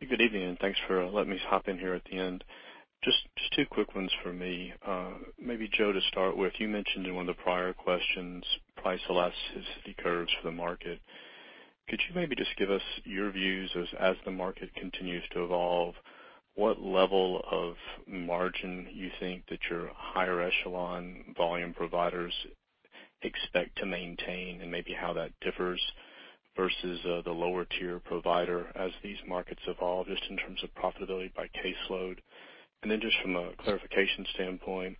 Good evening, thanks for letting me hop in here at the end. Just two quick ones from me. Maybe Joe, to start with, you mentioned in one of the prior questions, price elasticity curves for the market. Could you maybe just give us your views as the market continues to evolve, what level of margin you think that your higher echelon volume providers expect to maintain? And maybe how that differs versus the lower tier provider as these markets evolve, just in terms of profitability by caseload. Then just from a clarification standpoint,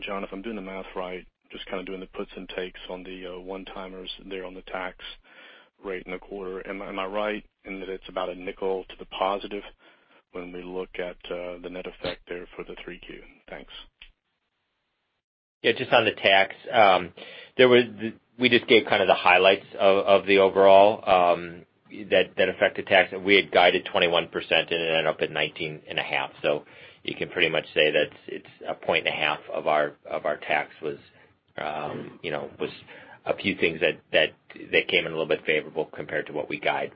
John, if I'm doing the math right, just kind of doing the puts and takes on the one-timers there on the tax rate in the quarter. Am I right in that it's about $0.05 to the positive when we look at the net effect there for the 3Q? Thanks. Just on the tax. We just gave kind of the highlights of the overall, that affected tax, we had guided 21%, it ended up at 19.5%. You can pretty much say that it's a point and a half of our tax was a few things that came in a little bit favorable compared to what we guide.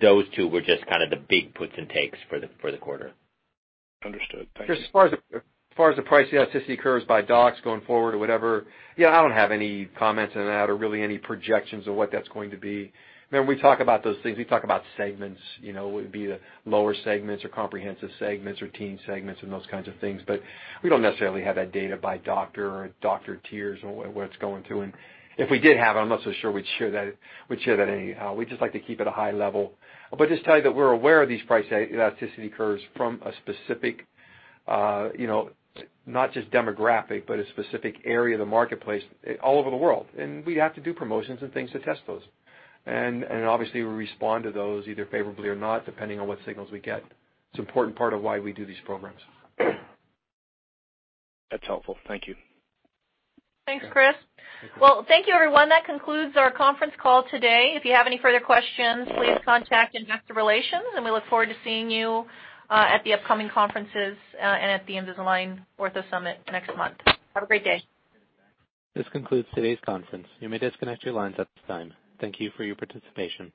Those two were just kind of the big puts and takes for the quarter. Understood. Thank you. As far as the price elasticity curves by docs going forward or whatever, I don't have any comments on that or really any projections of what that's going to be. We talk about those things, we talk about segments, it would be the lower segments or comprehensive segments or teen segments and those kinds of things, but we don't necessarily have that data by doctor or doctor tiers or where it's going to. If we did have it, I'm not so sure we'd share that anyhow. We just like to keep it a high level. Just tell you that we're aware of these price elasticity curves from a specific, not just demographic, but a specific area of the marketplace all over the world. We have to do promotions and things to test those. Obviously, we respond to those either favorably or not, depending on what signals we get. It's an important part of why we do these programs. That's helpful. Thank you. Thanks, Chris. Well, thank you everyone. That concludes our conference call today. If you have any further questions, please contact Investor Relations. We look forward to seeing you at the upcoming conferences and at the Invisalign Ortho Summit next month. Have a great day. This concludes today's conference. You may disconnect your lines at this time. Thank you for your participation.